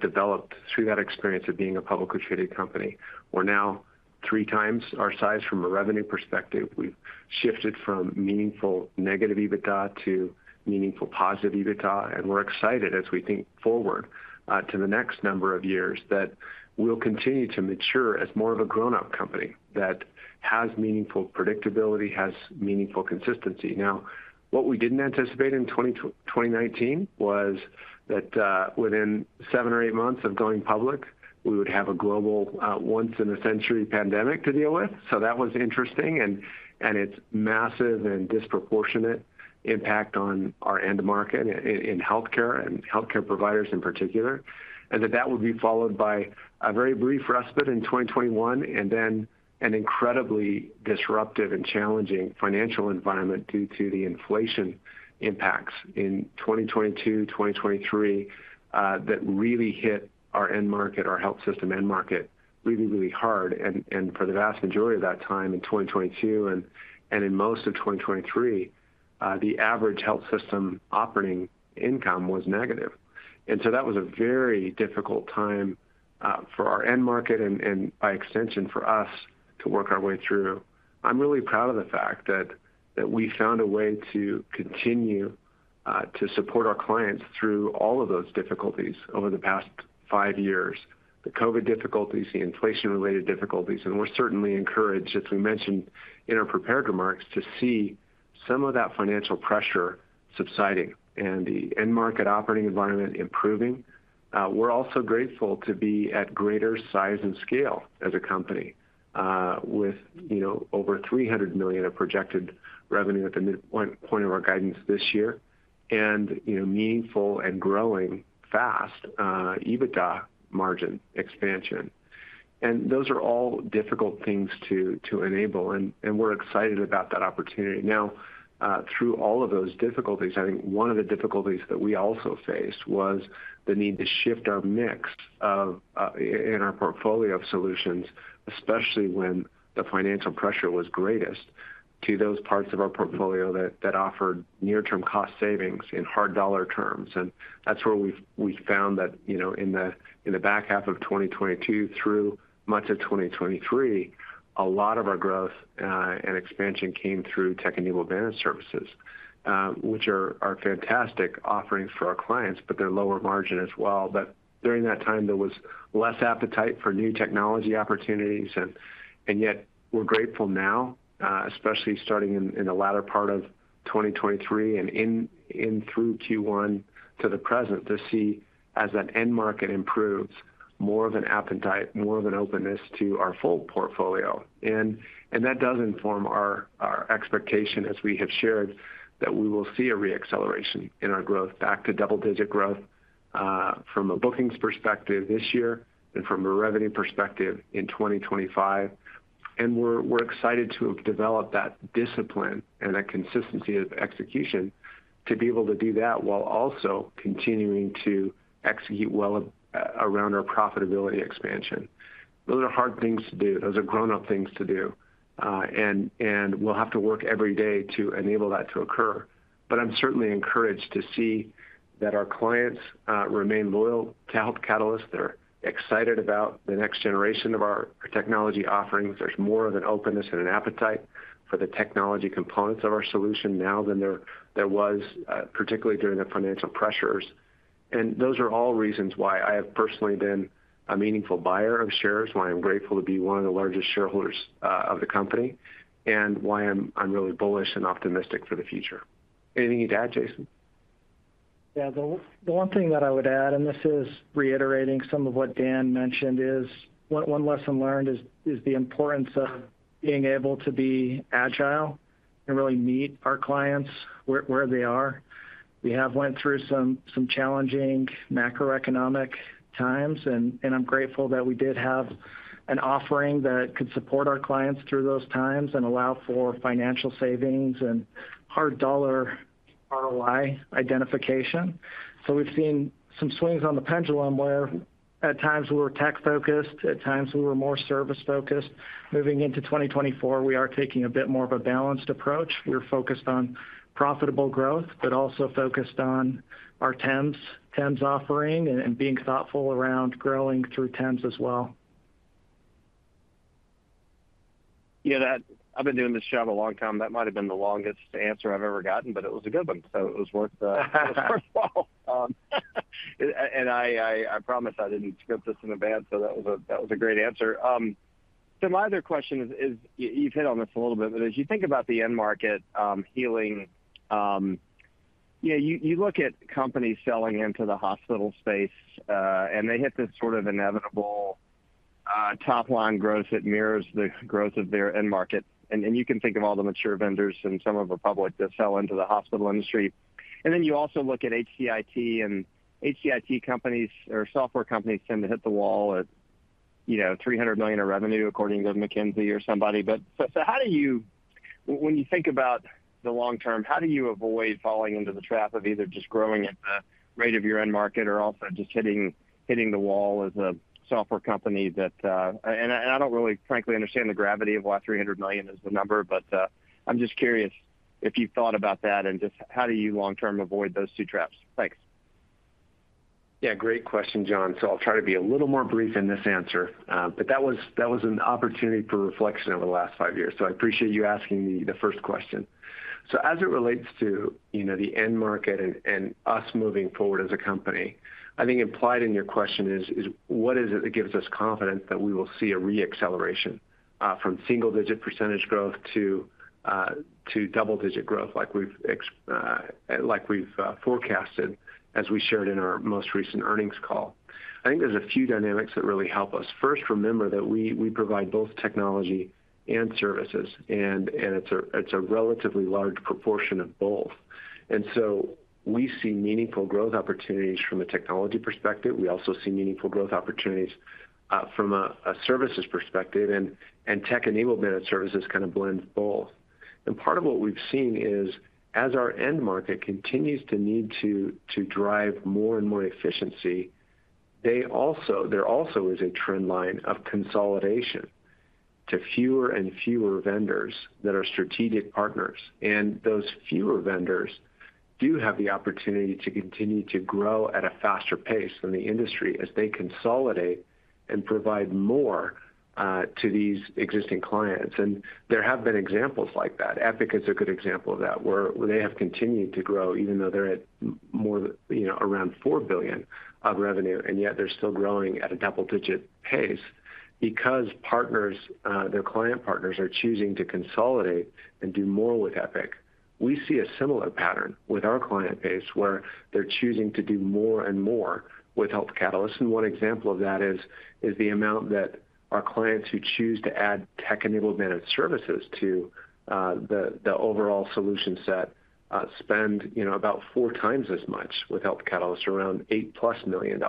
developed through that experience of being a publicly traded company. We're now 3x our size from a revenue perspective. We've shifted from meaningful negative EBITDA to meaningful positive EBITDA. And we're excited, as we think forward to the next number of years, that we'll continue to mature as more of a grown-up company that has meaningful predictability, has meaningful consistency. Now, what we didn't anticipate in 2019 was that within seven months or eight months of going public, we would have a global once-in-a-century pandemic to deal with. So that was interesting. And it's massive and disproportionate impact on our end market in healthcare and healthcare providers in particular, and that that would be followed by a very brief respite in 2021 and then an incredibly disruptive and challenging financial environment due to the inflation impacts in 2022, 2023 that really hit our end market, our health system end market, really, really hard. And for the vast majority of that time in 2022 and in most of 2023, the average health system operating income was negative. And so that was a very difficult time for our end market and, by extension, for us to work our way through. I'm really proud of the fact that we found a way to continue to support our clients through all of those difficulties over the past five years, the COVID difficulties, the inflation-related difficulties. We're certainly encouraged, as we mentioned in our prepared remarks, to see some of that financial pressure subsiding and the end market operating environment improving. We're also grateful to be at greater size and scale as a company with over $300 million of projected revenue at the point of our guidance this year and meaningful and growing fast EBITDA margin expansion. Those are all difficult things to enable. We're excited about that opportunity. Now, through all of those difficulties, I think one of the difficulties that we also faced was the need to shift our mix in our portfolio of solutions, especially when the financial pressure was greatest, to those parts of our portfolio that offered near-term cost savings in hard-dollar terms. And that's where we found that in the back half of 2022 through much of 2023, a lot of our growth and expansion came through tech-enabled managed services, which are fantastic offerings for our clients, but they're lower margin as well. But during that time, there was less appetite for new technology opportunities. And yet, we're grateful now, especially starting in the latter part of 2023 and in through Q1 to the present, to see, as that end market improves, more of an appetite, more of an openness to our full portfolio. And that does inform our expectation, as we have shared, that we will see a reacceleration in our growth, back to double-digit growth from a bookings perspective this year and from a revenue perspective in 2025. We're excited to have developed that discipline and that consistency of execution to be able to do that while also continuing to execute well around our profitability expansion. Those are hard things to do. Those are grown-up things to do. And we'll have to work every day to enable that to occur. But I'm certainly encouraged to see that our clients remain loyal to Health Catalyst. They're excited about the next generation of our technology offerings. There's more of an openness and an appetite for the technology components of our solution now than there was, particularly during the financial pressures. And those are all reasons why I have personally been a meaningful buyer of shares, why I'm grateful to be one of the largest shareholders of the company, and why I'm really bullish and optimistic for the future. Anything you'd add, Jason? Yeah, the one thing that I would add, and this is reiterating some of what Dan mentioned, is one lesson learned is the importance of being able to be agile and really meet our clients where they are. We have went through some challenging macroeconomic times. And I'm grateful that we did have an offering that could support our clients through those times and allow for financial savings and hard-dollar ROI identification. So we've seen some swings on the pendulum where, at times, we were tech-focused. At times, we were more service-focused. Moving into 2024, we are taking a bit more of a balanced approach. We're focused on profitable growth but also focused on our TEMS offering and being thoughtful around growing through TEMS as well. Yeah, I've been doing this job a long time. That might have been the longest answer I've ever gotten, but it was a good one. So it was worth it, first of all. And I promise I didn't script this in advance. So that was a great answer. So my other question is you've hit on this a little bit, but as you think about the end market healing, you look at companies selling into the hospital space, and they hit this sort of inevitable top-line growth that mirrors the growth of their end market. And you can think of all the mature vendors and some of the public that sell into the hospital industry. And then you also look at HCIT. And HCIT companies or software companies tend to hit the wall at $300 million of revenue, according to McKinsey or somebody. But so how do you, when you think about the long term, how do you avoid falling into the trap of either just growing at the rate of your end market or also just hitting the wall as a software company that—and I don't really, frankly, understand the gravity of why $300 million is the number. But I'm just curious if you've thought about that. And just how do you long-term avoid those two traps? Thanks. Yeah, great question, John. So I'll try to be a little more brief in this answer. But that was an opportunity for reflection over the last five years. So I appreciate you asking the first question. So as it relates to the end market and us moving forward as a company, I think implied in your question is, what is it that gives us confidence that we will see a reacceleration from single-digit percentage growth to double-digit percentage growth like we've forecasted, as we shared in our most recent earnings call? I think there's a few dynamics that really help us. First, remember that we provide both technology and services. It's a relatively large proportion of both. So we see meaningful growth opportunities from a technology perspective. We also see meaningful growth opportunities from a services perspective. Tech-enablement and services kind of blend both. Part of what we've seen is, as our end market continues to need to drive more and more efficiency, there also is a trend line of consolidation to fewer and fewer vendors that are strategic partners. Those fewer vendors do have the opportunity to continue to grow at a faster pace than the industry as they consolidate and provide more to these existing clients. There have been examples like that. Epic is a good example of that, where they have continued to grow even though they're at around $4 billion of revenue. And yet, they're still growing at a double-digit pace because their client partners are choosing to consolidate and do more with Epic. We see a similar pattern with our client base where they're choosing to do more and more with Health Catalyst. One example of that is the amount that our clients who choose to add tech-enablement and services to the overall solution set spend about 4x as much with Health Catalyst, around $8+ million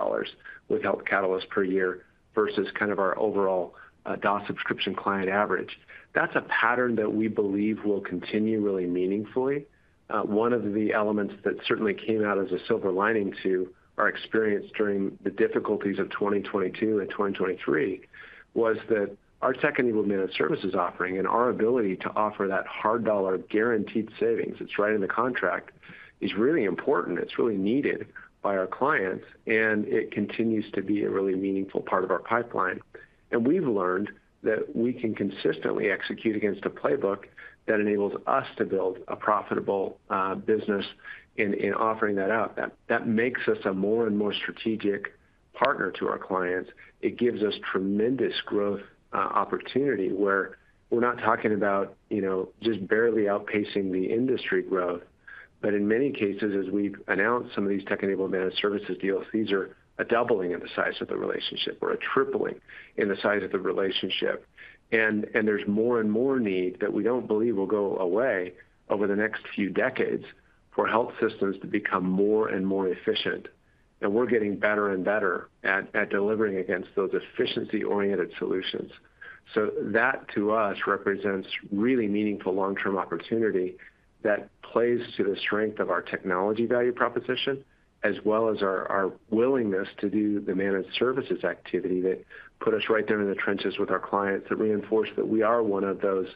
with Health Catalyst per year versus kind of our overall DOS subscription client average. That's a pattern that we believe will continue really meaningfully. One of the elements that certainly came out as a silver lining to our experience during the difficulties of 2022 and 2023 was that our tech-enablement and services offering and our ability to offer that hard-dollar guaranteed savings that's right in the contract is really important. It's really needed by our clients. And it continues to be a really meaningful part of our pipeline. And we've learned that we can consistently execute against a playbook that enables us to build a profitable business in offering that up. That makes us a more and more strategic partner to our clients. It gives us tremendous growth opportunity, where we're not talking about just barely outpacing the industry growth. But in many cases, as we've announced some of these tech-enablement and services deals, these are a doubling in the size of the relationship or a tripling in the size of the relationship. And there's more and more need that we don't believe will go away over the next few decades for health systems to become more and more efficient. And we're getting better and better at delivering against those efficiency-oriented solutions. So that, to us, represents really meaningful long-term opportunity that plays to the strength of our technology value proposition as well as our willingness to do the managed services activity that put us right there in the trenches with our clients, that reinforce that we are one of those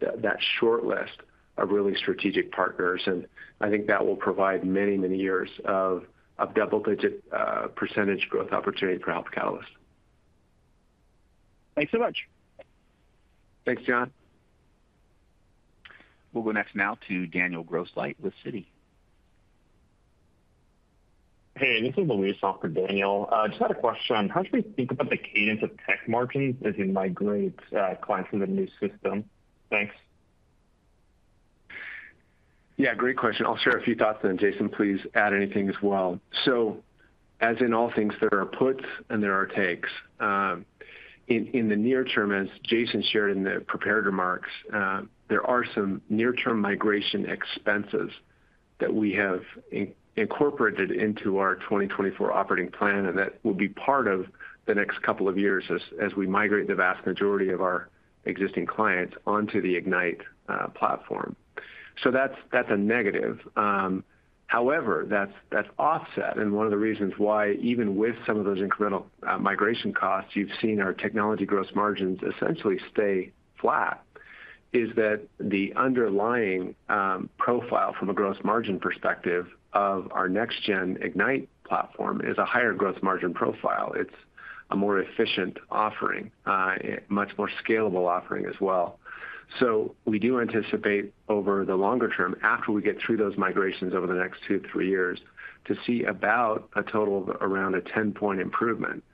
that shortlist of really strategic partners. And I think that will provide many, many years of double-digit percentage growth opportunity for Health Catalyst. Thanks so much. Thanks, John. We'll go next now to Daniel Grosslight with Citi. Hey, this is Luis on for Daniel. Just had a question. How should we think about the cadence of tech margins as you migrate clients to the new system? Thanks. Yeah, great question. I'll share a few thoughts. And Jason, please add anything as well. So as in all things, there are puts and there are takes. In the near term, as Jason shared in the prepared remarks, there are some near-term migration expenses that we have incorporated into our 2024 operating plan. And that will be part of the next couple of years as we migrate the vast majority of our existing clients onto the Ignite platform. So that's a negative. However, that's offset. And one of the reasons why, even with some of those incremental migration costs, you've seen our technology gross margins essentially stay flat is that the underlying profile from a gross margin perspective of our next-gen Ignite platform is a higher gross margin profile. It's a more efficient offering, a much more scalable offering as well. So we do anticipate, over the longer term, after we get through those migrations over the next two years, three years, to see about a total of around a 10-point improvement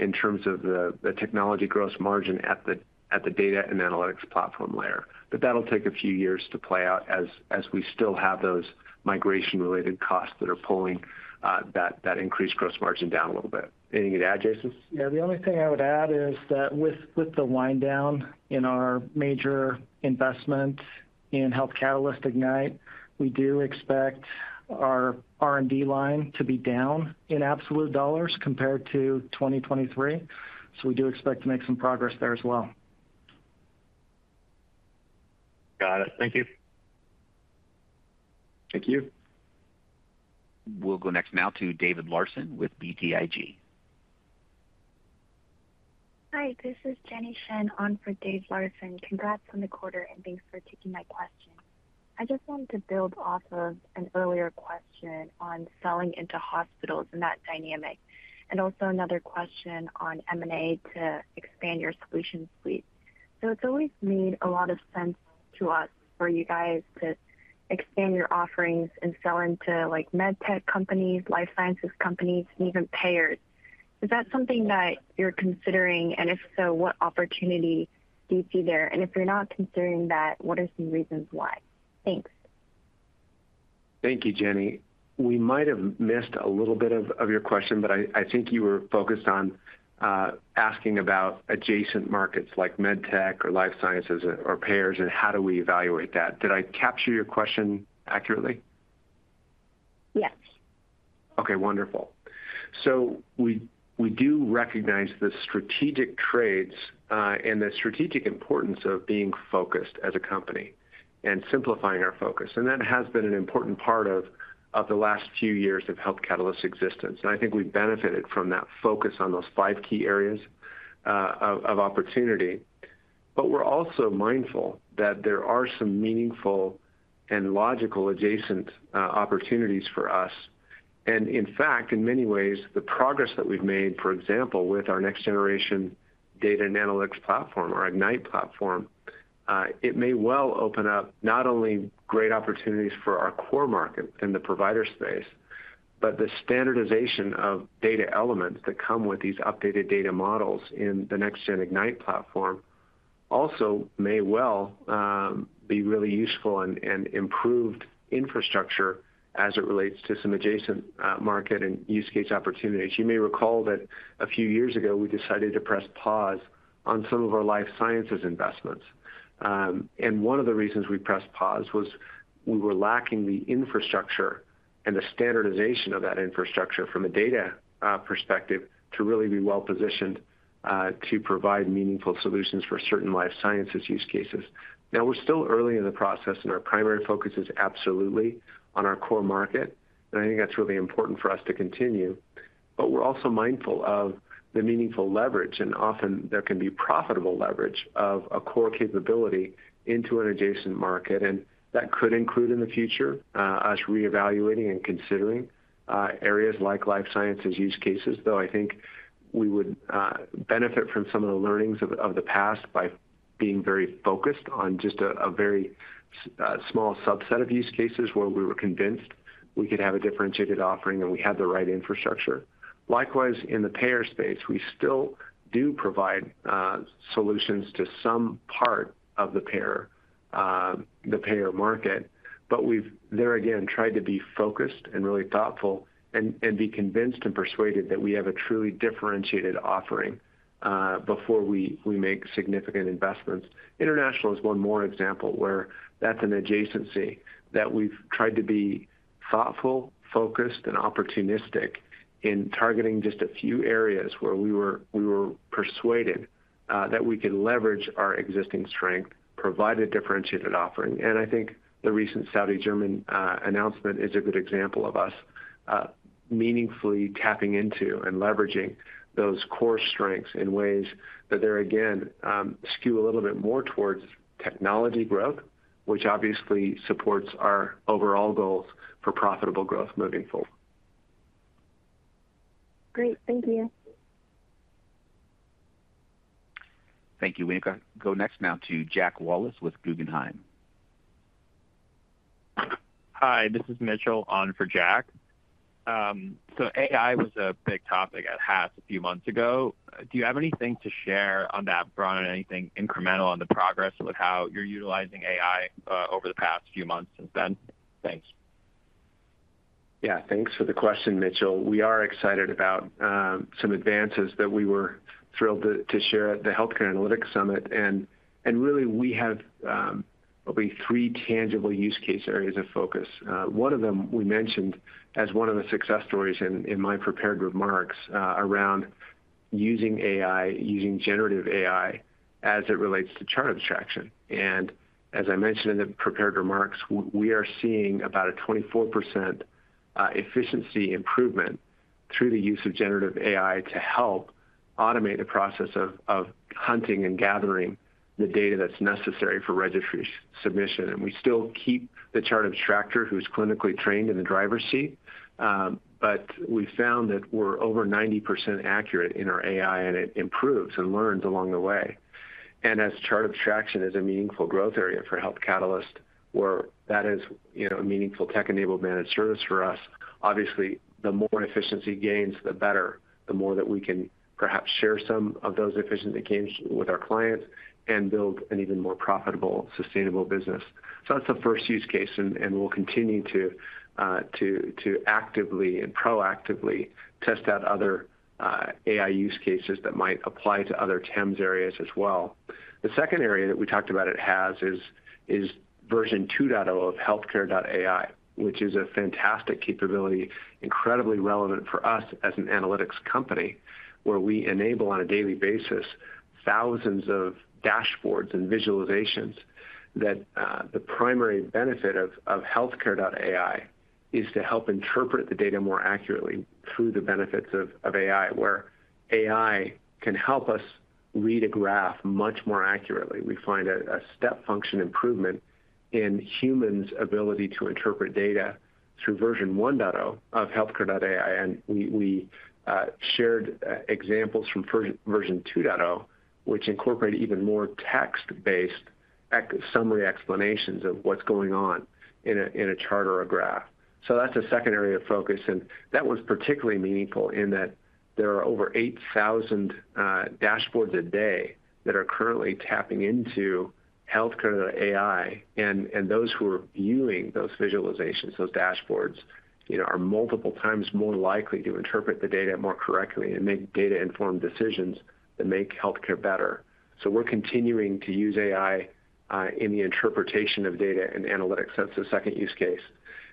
in terms of the technology gross margin at the data and analytics platform layer. But that'll take a few years to play out as we still have those migration-related costs that are pulling that increased gross margin down a little bit. Anything you'd add, Jason? Yeah, the only thing I would add is that with the winddown in our major investment in Health Catalyst Ignite, we do expect our R&D line to be down in absolute dollars compared to 2023. So we do expect to make some progress there as well. Got it. Thank you. Thank you. We'll go next now to David Larsen with BTIG. Hi, this is Jenny Shen on for Dave Larsen. Congrats on the quarter. And thanks for taking my question. I just wanted to build off of an earlier question on selling into hospitals and that dynamic and also another question on M&A to expand your solution suite. So it's always made a lot of sense to us for you guys to expand your offerings and sell into medtech companies, life sciences companies, and even payers. Is that something that you're considering? And if so, what opportunity do you see there? And if you're not considering that, what are some reasons why? Thanks. Thank you, Jenny. We might have missed a little bit of your question. But I think you were focused on asking about adjacent markets like medtech or life sciences or payers. And how do we evaluate that? Did I capture your question accurately? Yes. Okay, wonderful. So we do recognize the strategic trades and the strategic importance of being focused as a company and simplifying our focus. And that has been an important part of the last few years of Health Catalyst's existence. And I think we've benefited from that focus on those five key areas of opportunity. But we're also mindful that there are some meaningful and logical adjacent opportunities for us. In fact, in many ways, the progress that we've made, for example, with our next-generation data and analytics platform, our Ignite platform, it may well open up not only great opportunities for our core market in the provider space but the standardization of data elements that come with these updated data models in the next-gen Ignite platform also may well be really useful and improved infrastructure as it relates to some adjacent market and use case opportunities. You may recall that a few years ago, we decided to press pause on some of our life sciences investments. One of the reasons we pressed pause was we were lacking the infrastructure and the standardization of that infrastructure from a data perspective to really be well-positioned to provide meaningful solutions for certain life sciences use cases. Now, we're still early in the process. And our primary focus is absolutely on our core market. And I think that's really important for us to continue. But we're also mindful of the meaningful leverage. And often, there can be profitable leverage of a core capability into an adjacent market. And that could include, in the future, us reevaluating and considering areas like life sciences use cases, though I think we would benefit from some of the learnings of the past by being very focused on just a very small subset of use cases where we were convinced we could have a differentiated offering and we had the right infrastructure. Likewise, in the payer space, we still do provide solutions to some part of the payer market. But we've, there again, tried to be focused and really thoughtful and be convinced and persuaded that we have a truly differentiated offering before we make significant investments. International is one more example where that's an adjacency that we've tried to be thoughtful, focused, and opportunistic in targeting just a few areas where we were persuaded that we could leverage our existing strength, provide a differentiated offering. And I think the recent Saudi German announcement is a good example of us meaningfully tapping into and leveraging those core strengths in ways that there, again, skew a little bit more towards technology growth, which obviously supports our overall goals for profitable growth moving forward. Great. Thank you. Thank you, Wanyika. Go next now to Jack Wallace with Guggenheim. Hi, this is Mitchell on for Jack. So AI was a big topic at HAS a few months ago. Do you have anything to share on that, Bryan, anything incremental on the progress with how you're utilizing AI over the past few months since then? Thanks. Yeah, thanks for the question, Mitchell. We are excited about some advances that we were thrilled to share at the Healthcare Analytics Summit. And really, we have probably three tangible use case areas of focus. One of them we mentioned as one of the success stories in my prepared remarks around using AI, using generative AI, as it relates to chart abstraction. And as I mentioned in the prepared remarks, we are seeing about a 24% efficiency improvement through the use of generative AI to help automate the process of hunting and gathering the data that's necessary for registry submission. And we still keep the chart abstractor, who's clinically trained in the driver's seat. But we found that we're over 90% accurate in our AI. And it improves and learns along the way. And as chart abstraction is a meaningful growth area for Health Catalyst, where that is a meaningful tech-enabled managed service for us, obviously, the more efficiency gains, the better, the more that we can perhaps share some of those efficient gains with our clients and build an even more profitable, sustainable business. So that's the first use case. And we'll continue to actively and proactively test out other AI use cases that might apply to other TEMS areas as well. The second area that we talked about it has is version 2.0 of healthcare.ai, which is a fantastic capability, incredibly relevant for us as an analytics company, where we enable, on a daily basis, thousands of dashboards and visualizations that the primary benefit of healthcare.ai is to help interpret the data more accurately through the benefits of AI, where AI can help us read a graph much more accurately. We find a step function improvement in humans' ability to interpret data through version 1.0 of healthcare.ai. And we shared examples from version 2.0, which incorporate even more text-based summary explanations of what's going on in a chart or a graph. So that's a second area of focus. And that one's particularly meaningful in that there are over 8,000 dashboards a day that are currently tapping into healthcare.ai. And those who are viewing those visualizations, those dashboards, are multiple times more likely to interpret the data more correctly and make data-informed decisions that make healthcare better. So we're continuing to use AI in the interpretation of data and analytics. That's the second use case.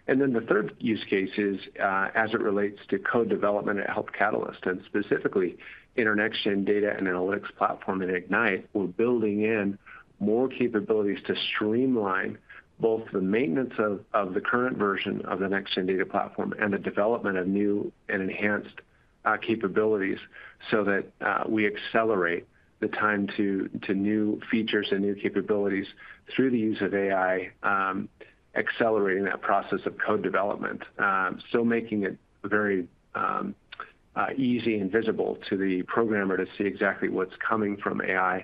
And then the third use case is as it relates to code development at Health Catalyst. Specifically, in our next-gen data and analytics platform in Ignite, we're building in more capabilities to streamline both the maintenance of the current version of the next-gen data platform and the development of new and enhanced capabilities so that we accelerate the time to new features and new capabilities through the use of AI, accelerating that process of code development, still making it very easy and visible to the programmer to see exactly what's coming from AI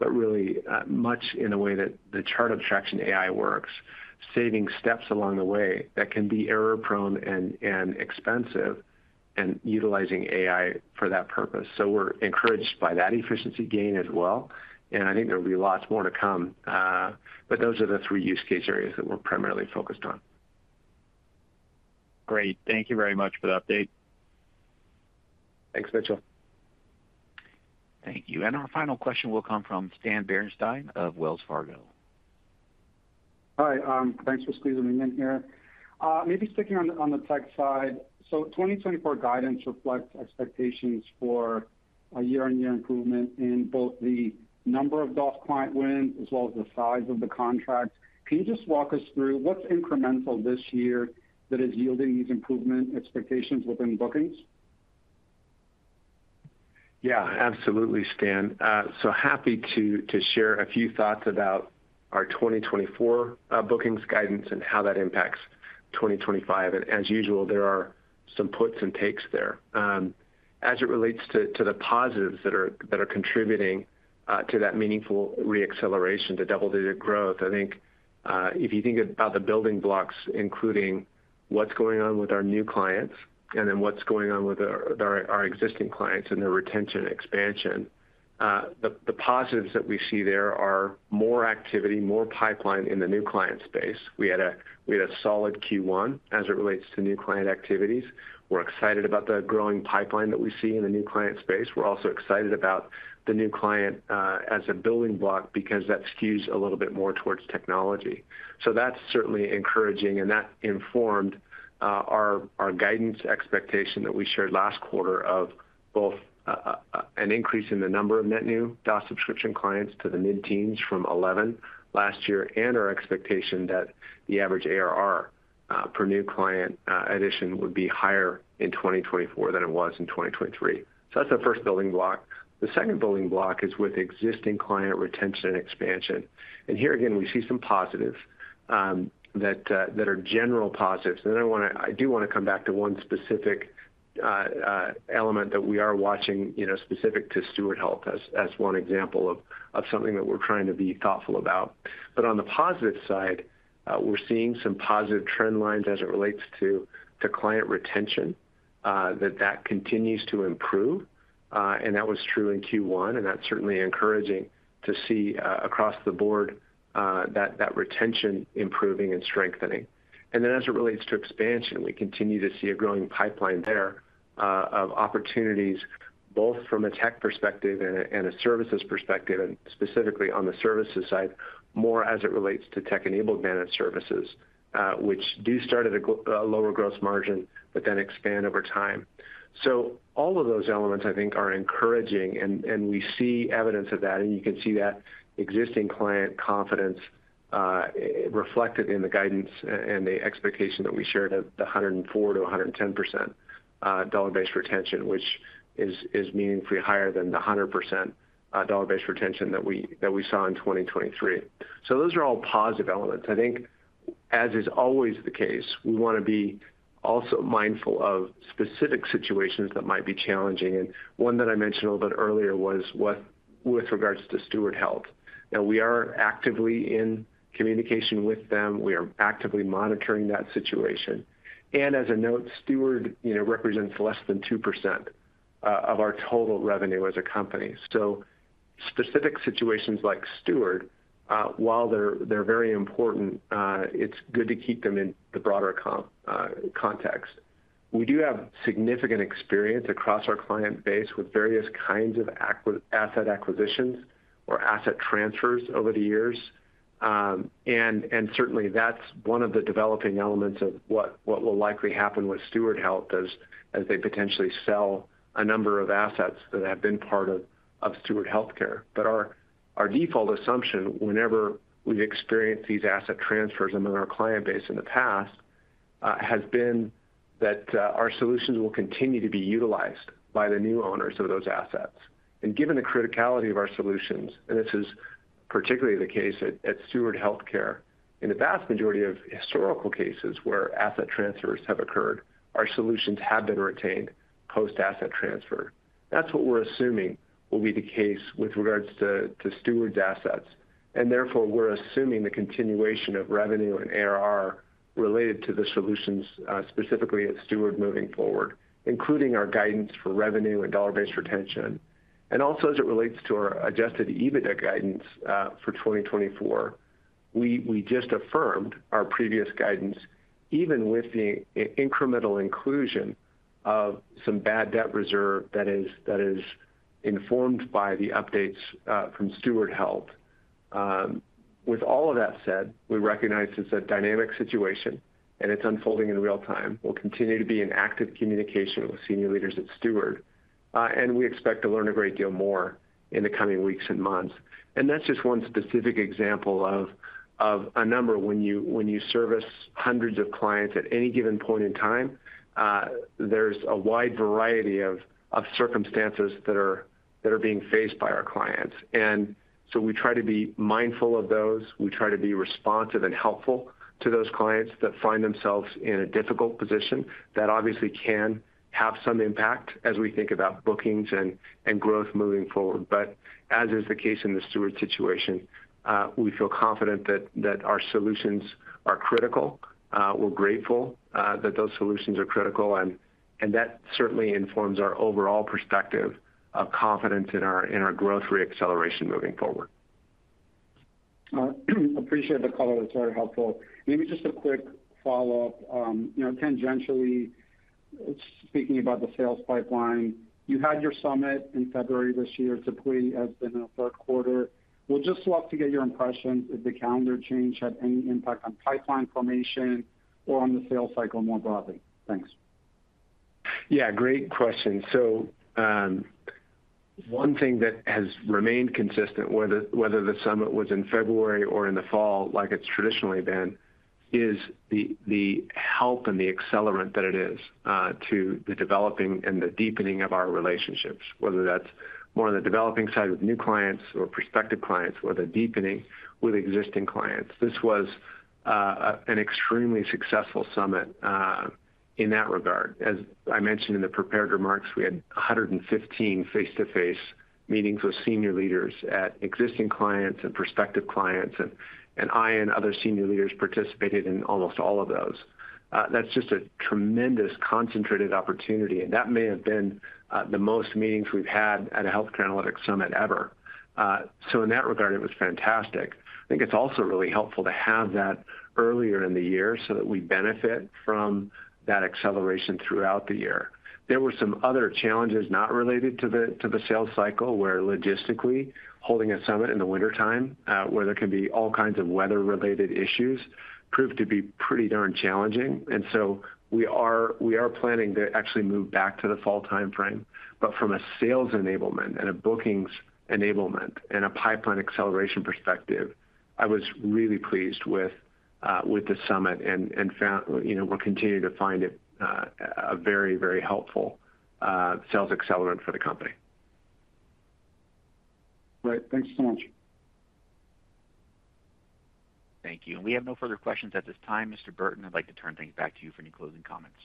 but really much in the way that the chart abstraction AI works, saving steps along the way that can be error-prone and expensive and utilizing AI for that purpose. So we're encouraged by that efficiency gain as well. And I think there will be lots more to come. But those are the three use case areas that we're primarily focused on. Great. Thank you very much for the update. Thanks, Mitchell. Thank you. Our final question will come from Stan Berenshteyn of Wells Fargo. Hi. Thanks for squeezing me in here. Maybe sticking on the tech side, so 2024 guidance reflects expectations for a year-on-year improvement in both the number of DOS client wins as well as the size of the contracts. Can you just walk us through what's incremental this year that is yielding these improvement expectations within bookings? Yeah, absolutely, Stan. So happy to share a few thoughts about our 2024 bookings guidance and how that impacts 2025. As usual, there are some puts and takes there. As it relates to the positives that are contributing to that meaningful reacceleration, the double-digit growth, I think if you think about the building blocks, including what's going on with our new clients and then what's going on with our existing clients and their retention expansion, the positives that we see there are more activity, more pipeline in the new client space. We had a solid Q1 as it relates to new client activities. We're excited about the growing pipeline that we see in the new client space. We're also excited about the new client as a building block because that skews a little bit more towards technology. So that's certainly encouraging. And that informed our guidance expectation that we shared last quarter of both an increase in the number of net new DOS subscription clients to the mid-teens from 11 last year and our expectation that the average ARR per new client addition would be higher in 2024 than it was in 2023. So that's the first building block. The second building block is with existing client retention and expansion. And here again, we see some positives that are general positives. And then I do want to come back to one specific element that we are watching, specific to Steward Health, as one example of something that we're trying to be thoughtful about. But on the positive side, we're seeing some positive trend lines as it relates to client retention, that continues to improve. And that was true in Q1. That's certainly encouraging to see across the board that retention improving and strengthening. As it relates to expansion, we continue to see a growing pipeline there of opportunities both from a tech perspective and a services perspective and specifically on the services side more as it relates to tech-enabled managed services, which do start at a lower gross margin but then expand over time. All of those elements, I think, are encouraging. We see evidence of that. You can see that existing client confidence reflected in the guidance and the expectation that we shared of the 104%-110% dollar-based retention, which is meaningfully higher than the 100% dollar-based retention that we saw in 2023. Those are all positive elements. I think, as is always the case, we want to be also mindful of specific situations that might be challenging. One that I mentioned a little bit earlier was with regards to Steward Health. Now, we are actively in communication with them. We are actively monitoring that situation. And as a note, Steward represents less than 2% of our total revenue as a company. So specific situations like Steward, while they're very important, it's good to keep them in the broader context. We do have significant experience across our client base with various kinds of asset acquisitions or asset transfers over the years. And certainly, that's one of the developing elements of what will likely happen with Steward Health as they potentially sell a number of assets that have been part of Steward Health Care. But our default assumption, whenever we've experienced these asset transfers among our client base in the past, has been that our solutions will continue to be utilized by the new owners of those assets. Given the criticality of our solutions, this is particularly the case at Steward Health Care. In the vast majority of historical cases where asset transfers have occurred, our solutions have been retained post-asset transfer. That's what we're assuming will be the case with regards to Steward's assets. Therefore, we're assuming the continuation of revenue and ARR related to the solutions, specifically at Steward, moving forward, including our guidance for revenue and dollar-based retention. Also, as it relates to our Adjusted EBITDA guidance for 2024, we just affirmed our previous guidance, even with the incremental inclusion of some bad debt reserve that is informed by the updates from Steward Health. With all of that said, we recognize it's a dynamic situation. It's unfolding in real time. We'll continue to be in active communication with senior leaders at Steward. We expect to learn a great deal more in the coming weeks and months. That's just one specific example of a number. When you service hundreds of clients at any given point in time, there's a wide variety of circumstances that are being faced by our clients. So we try to be mindful of those. We try to be responsive and helpful to those clients that find themselves in a difficult position. That obviously can have some impact as we think about bookings and growth moving forward. But as is the case in the Steward situation, we feel confident that our solutions are critical. We're grateful that those solutions are critical. And that certainly informs our overall perspective of confidence in our growth reacceleration moving forward. Appreciate the color. That's very helpful. Maybe just a quick follow-up. Tangentially, speaking about the sales pipeline, you had your summit in February this year. Typically, it has been in the third quarter. We'll just love to get your impressions if the calendar change had any impact on pipeline formation or on the sales cycle more broadly. Thanks. Yeah, great question. So one thing that has remained consistent, whether the summit was in February or in the fall like it's traditionally been, is the help and the accelerant that it is to the developing and the deepening of our relationships, whether that's more on the developing side with new clients or prospective clients or the deepening with existing clients. This was an extremely successful summit in that regard. As I mentioned in the prepared remarks, we had 115 face-to-face meetings with senior leaders at existing clients and prospective clients. And I and other senior leaders participated in almost all of those. That's just a tremendous concentrated opportunity. That may have been the most meetings we've had at a Healthcare Analytics Summit ever. In that regard, it was fantastic. I think it's also really helpful to have that earlier in the year so that we benefit from that acceleration throughout the year. There were some other challenges not related to the sales cycle, where logistically, holding a summit in the wintertime, where there can be all kinds of weather-related issues, proved to be pretty darn challenging. We are planning to actually move back to the fall time frame. But from a sales enablement and a bookings enablement and a pipeline acceleration perspective, I was really pleased with the summit. We're continuing to find it a very, very helpful sales accelerant for the company. Great. Thanks so much. Thank you. We have no further questions at this time. Mr. Burton, I'd like to turn things back to you for any closing comments.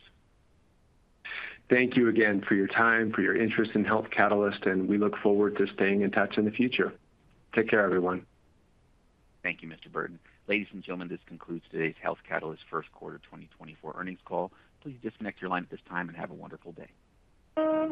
Thank you again for your time, for your interest in Health Catalyst. We look forward to staying in touch in the future. Take care, everyone. Thank you, Mr. Burton. Ladies and gentlemen, this concludes today's Health Catalyst first quarter 2024 earnings call. Please disconnect your line at this time and have a wonderful day.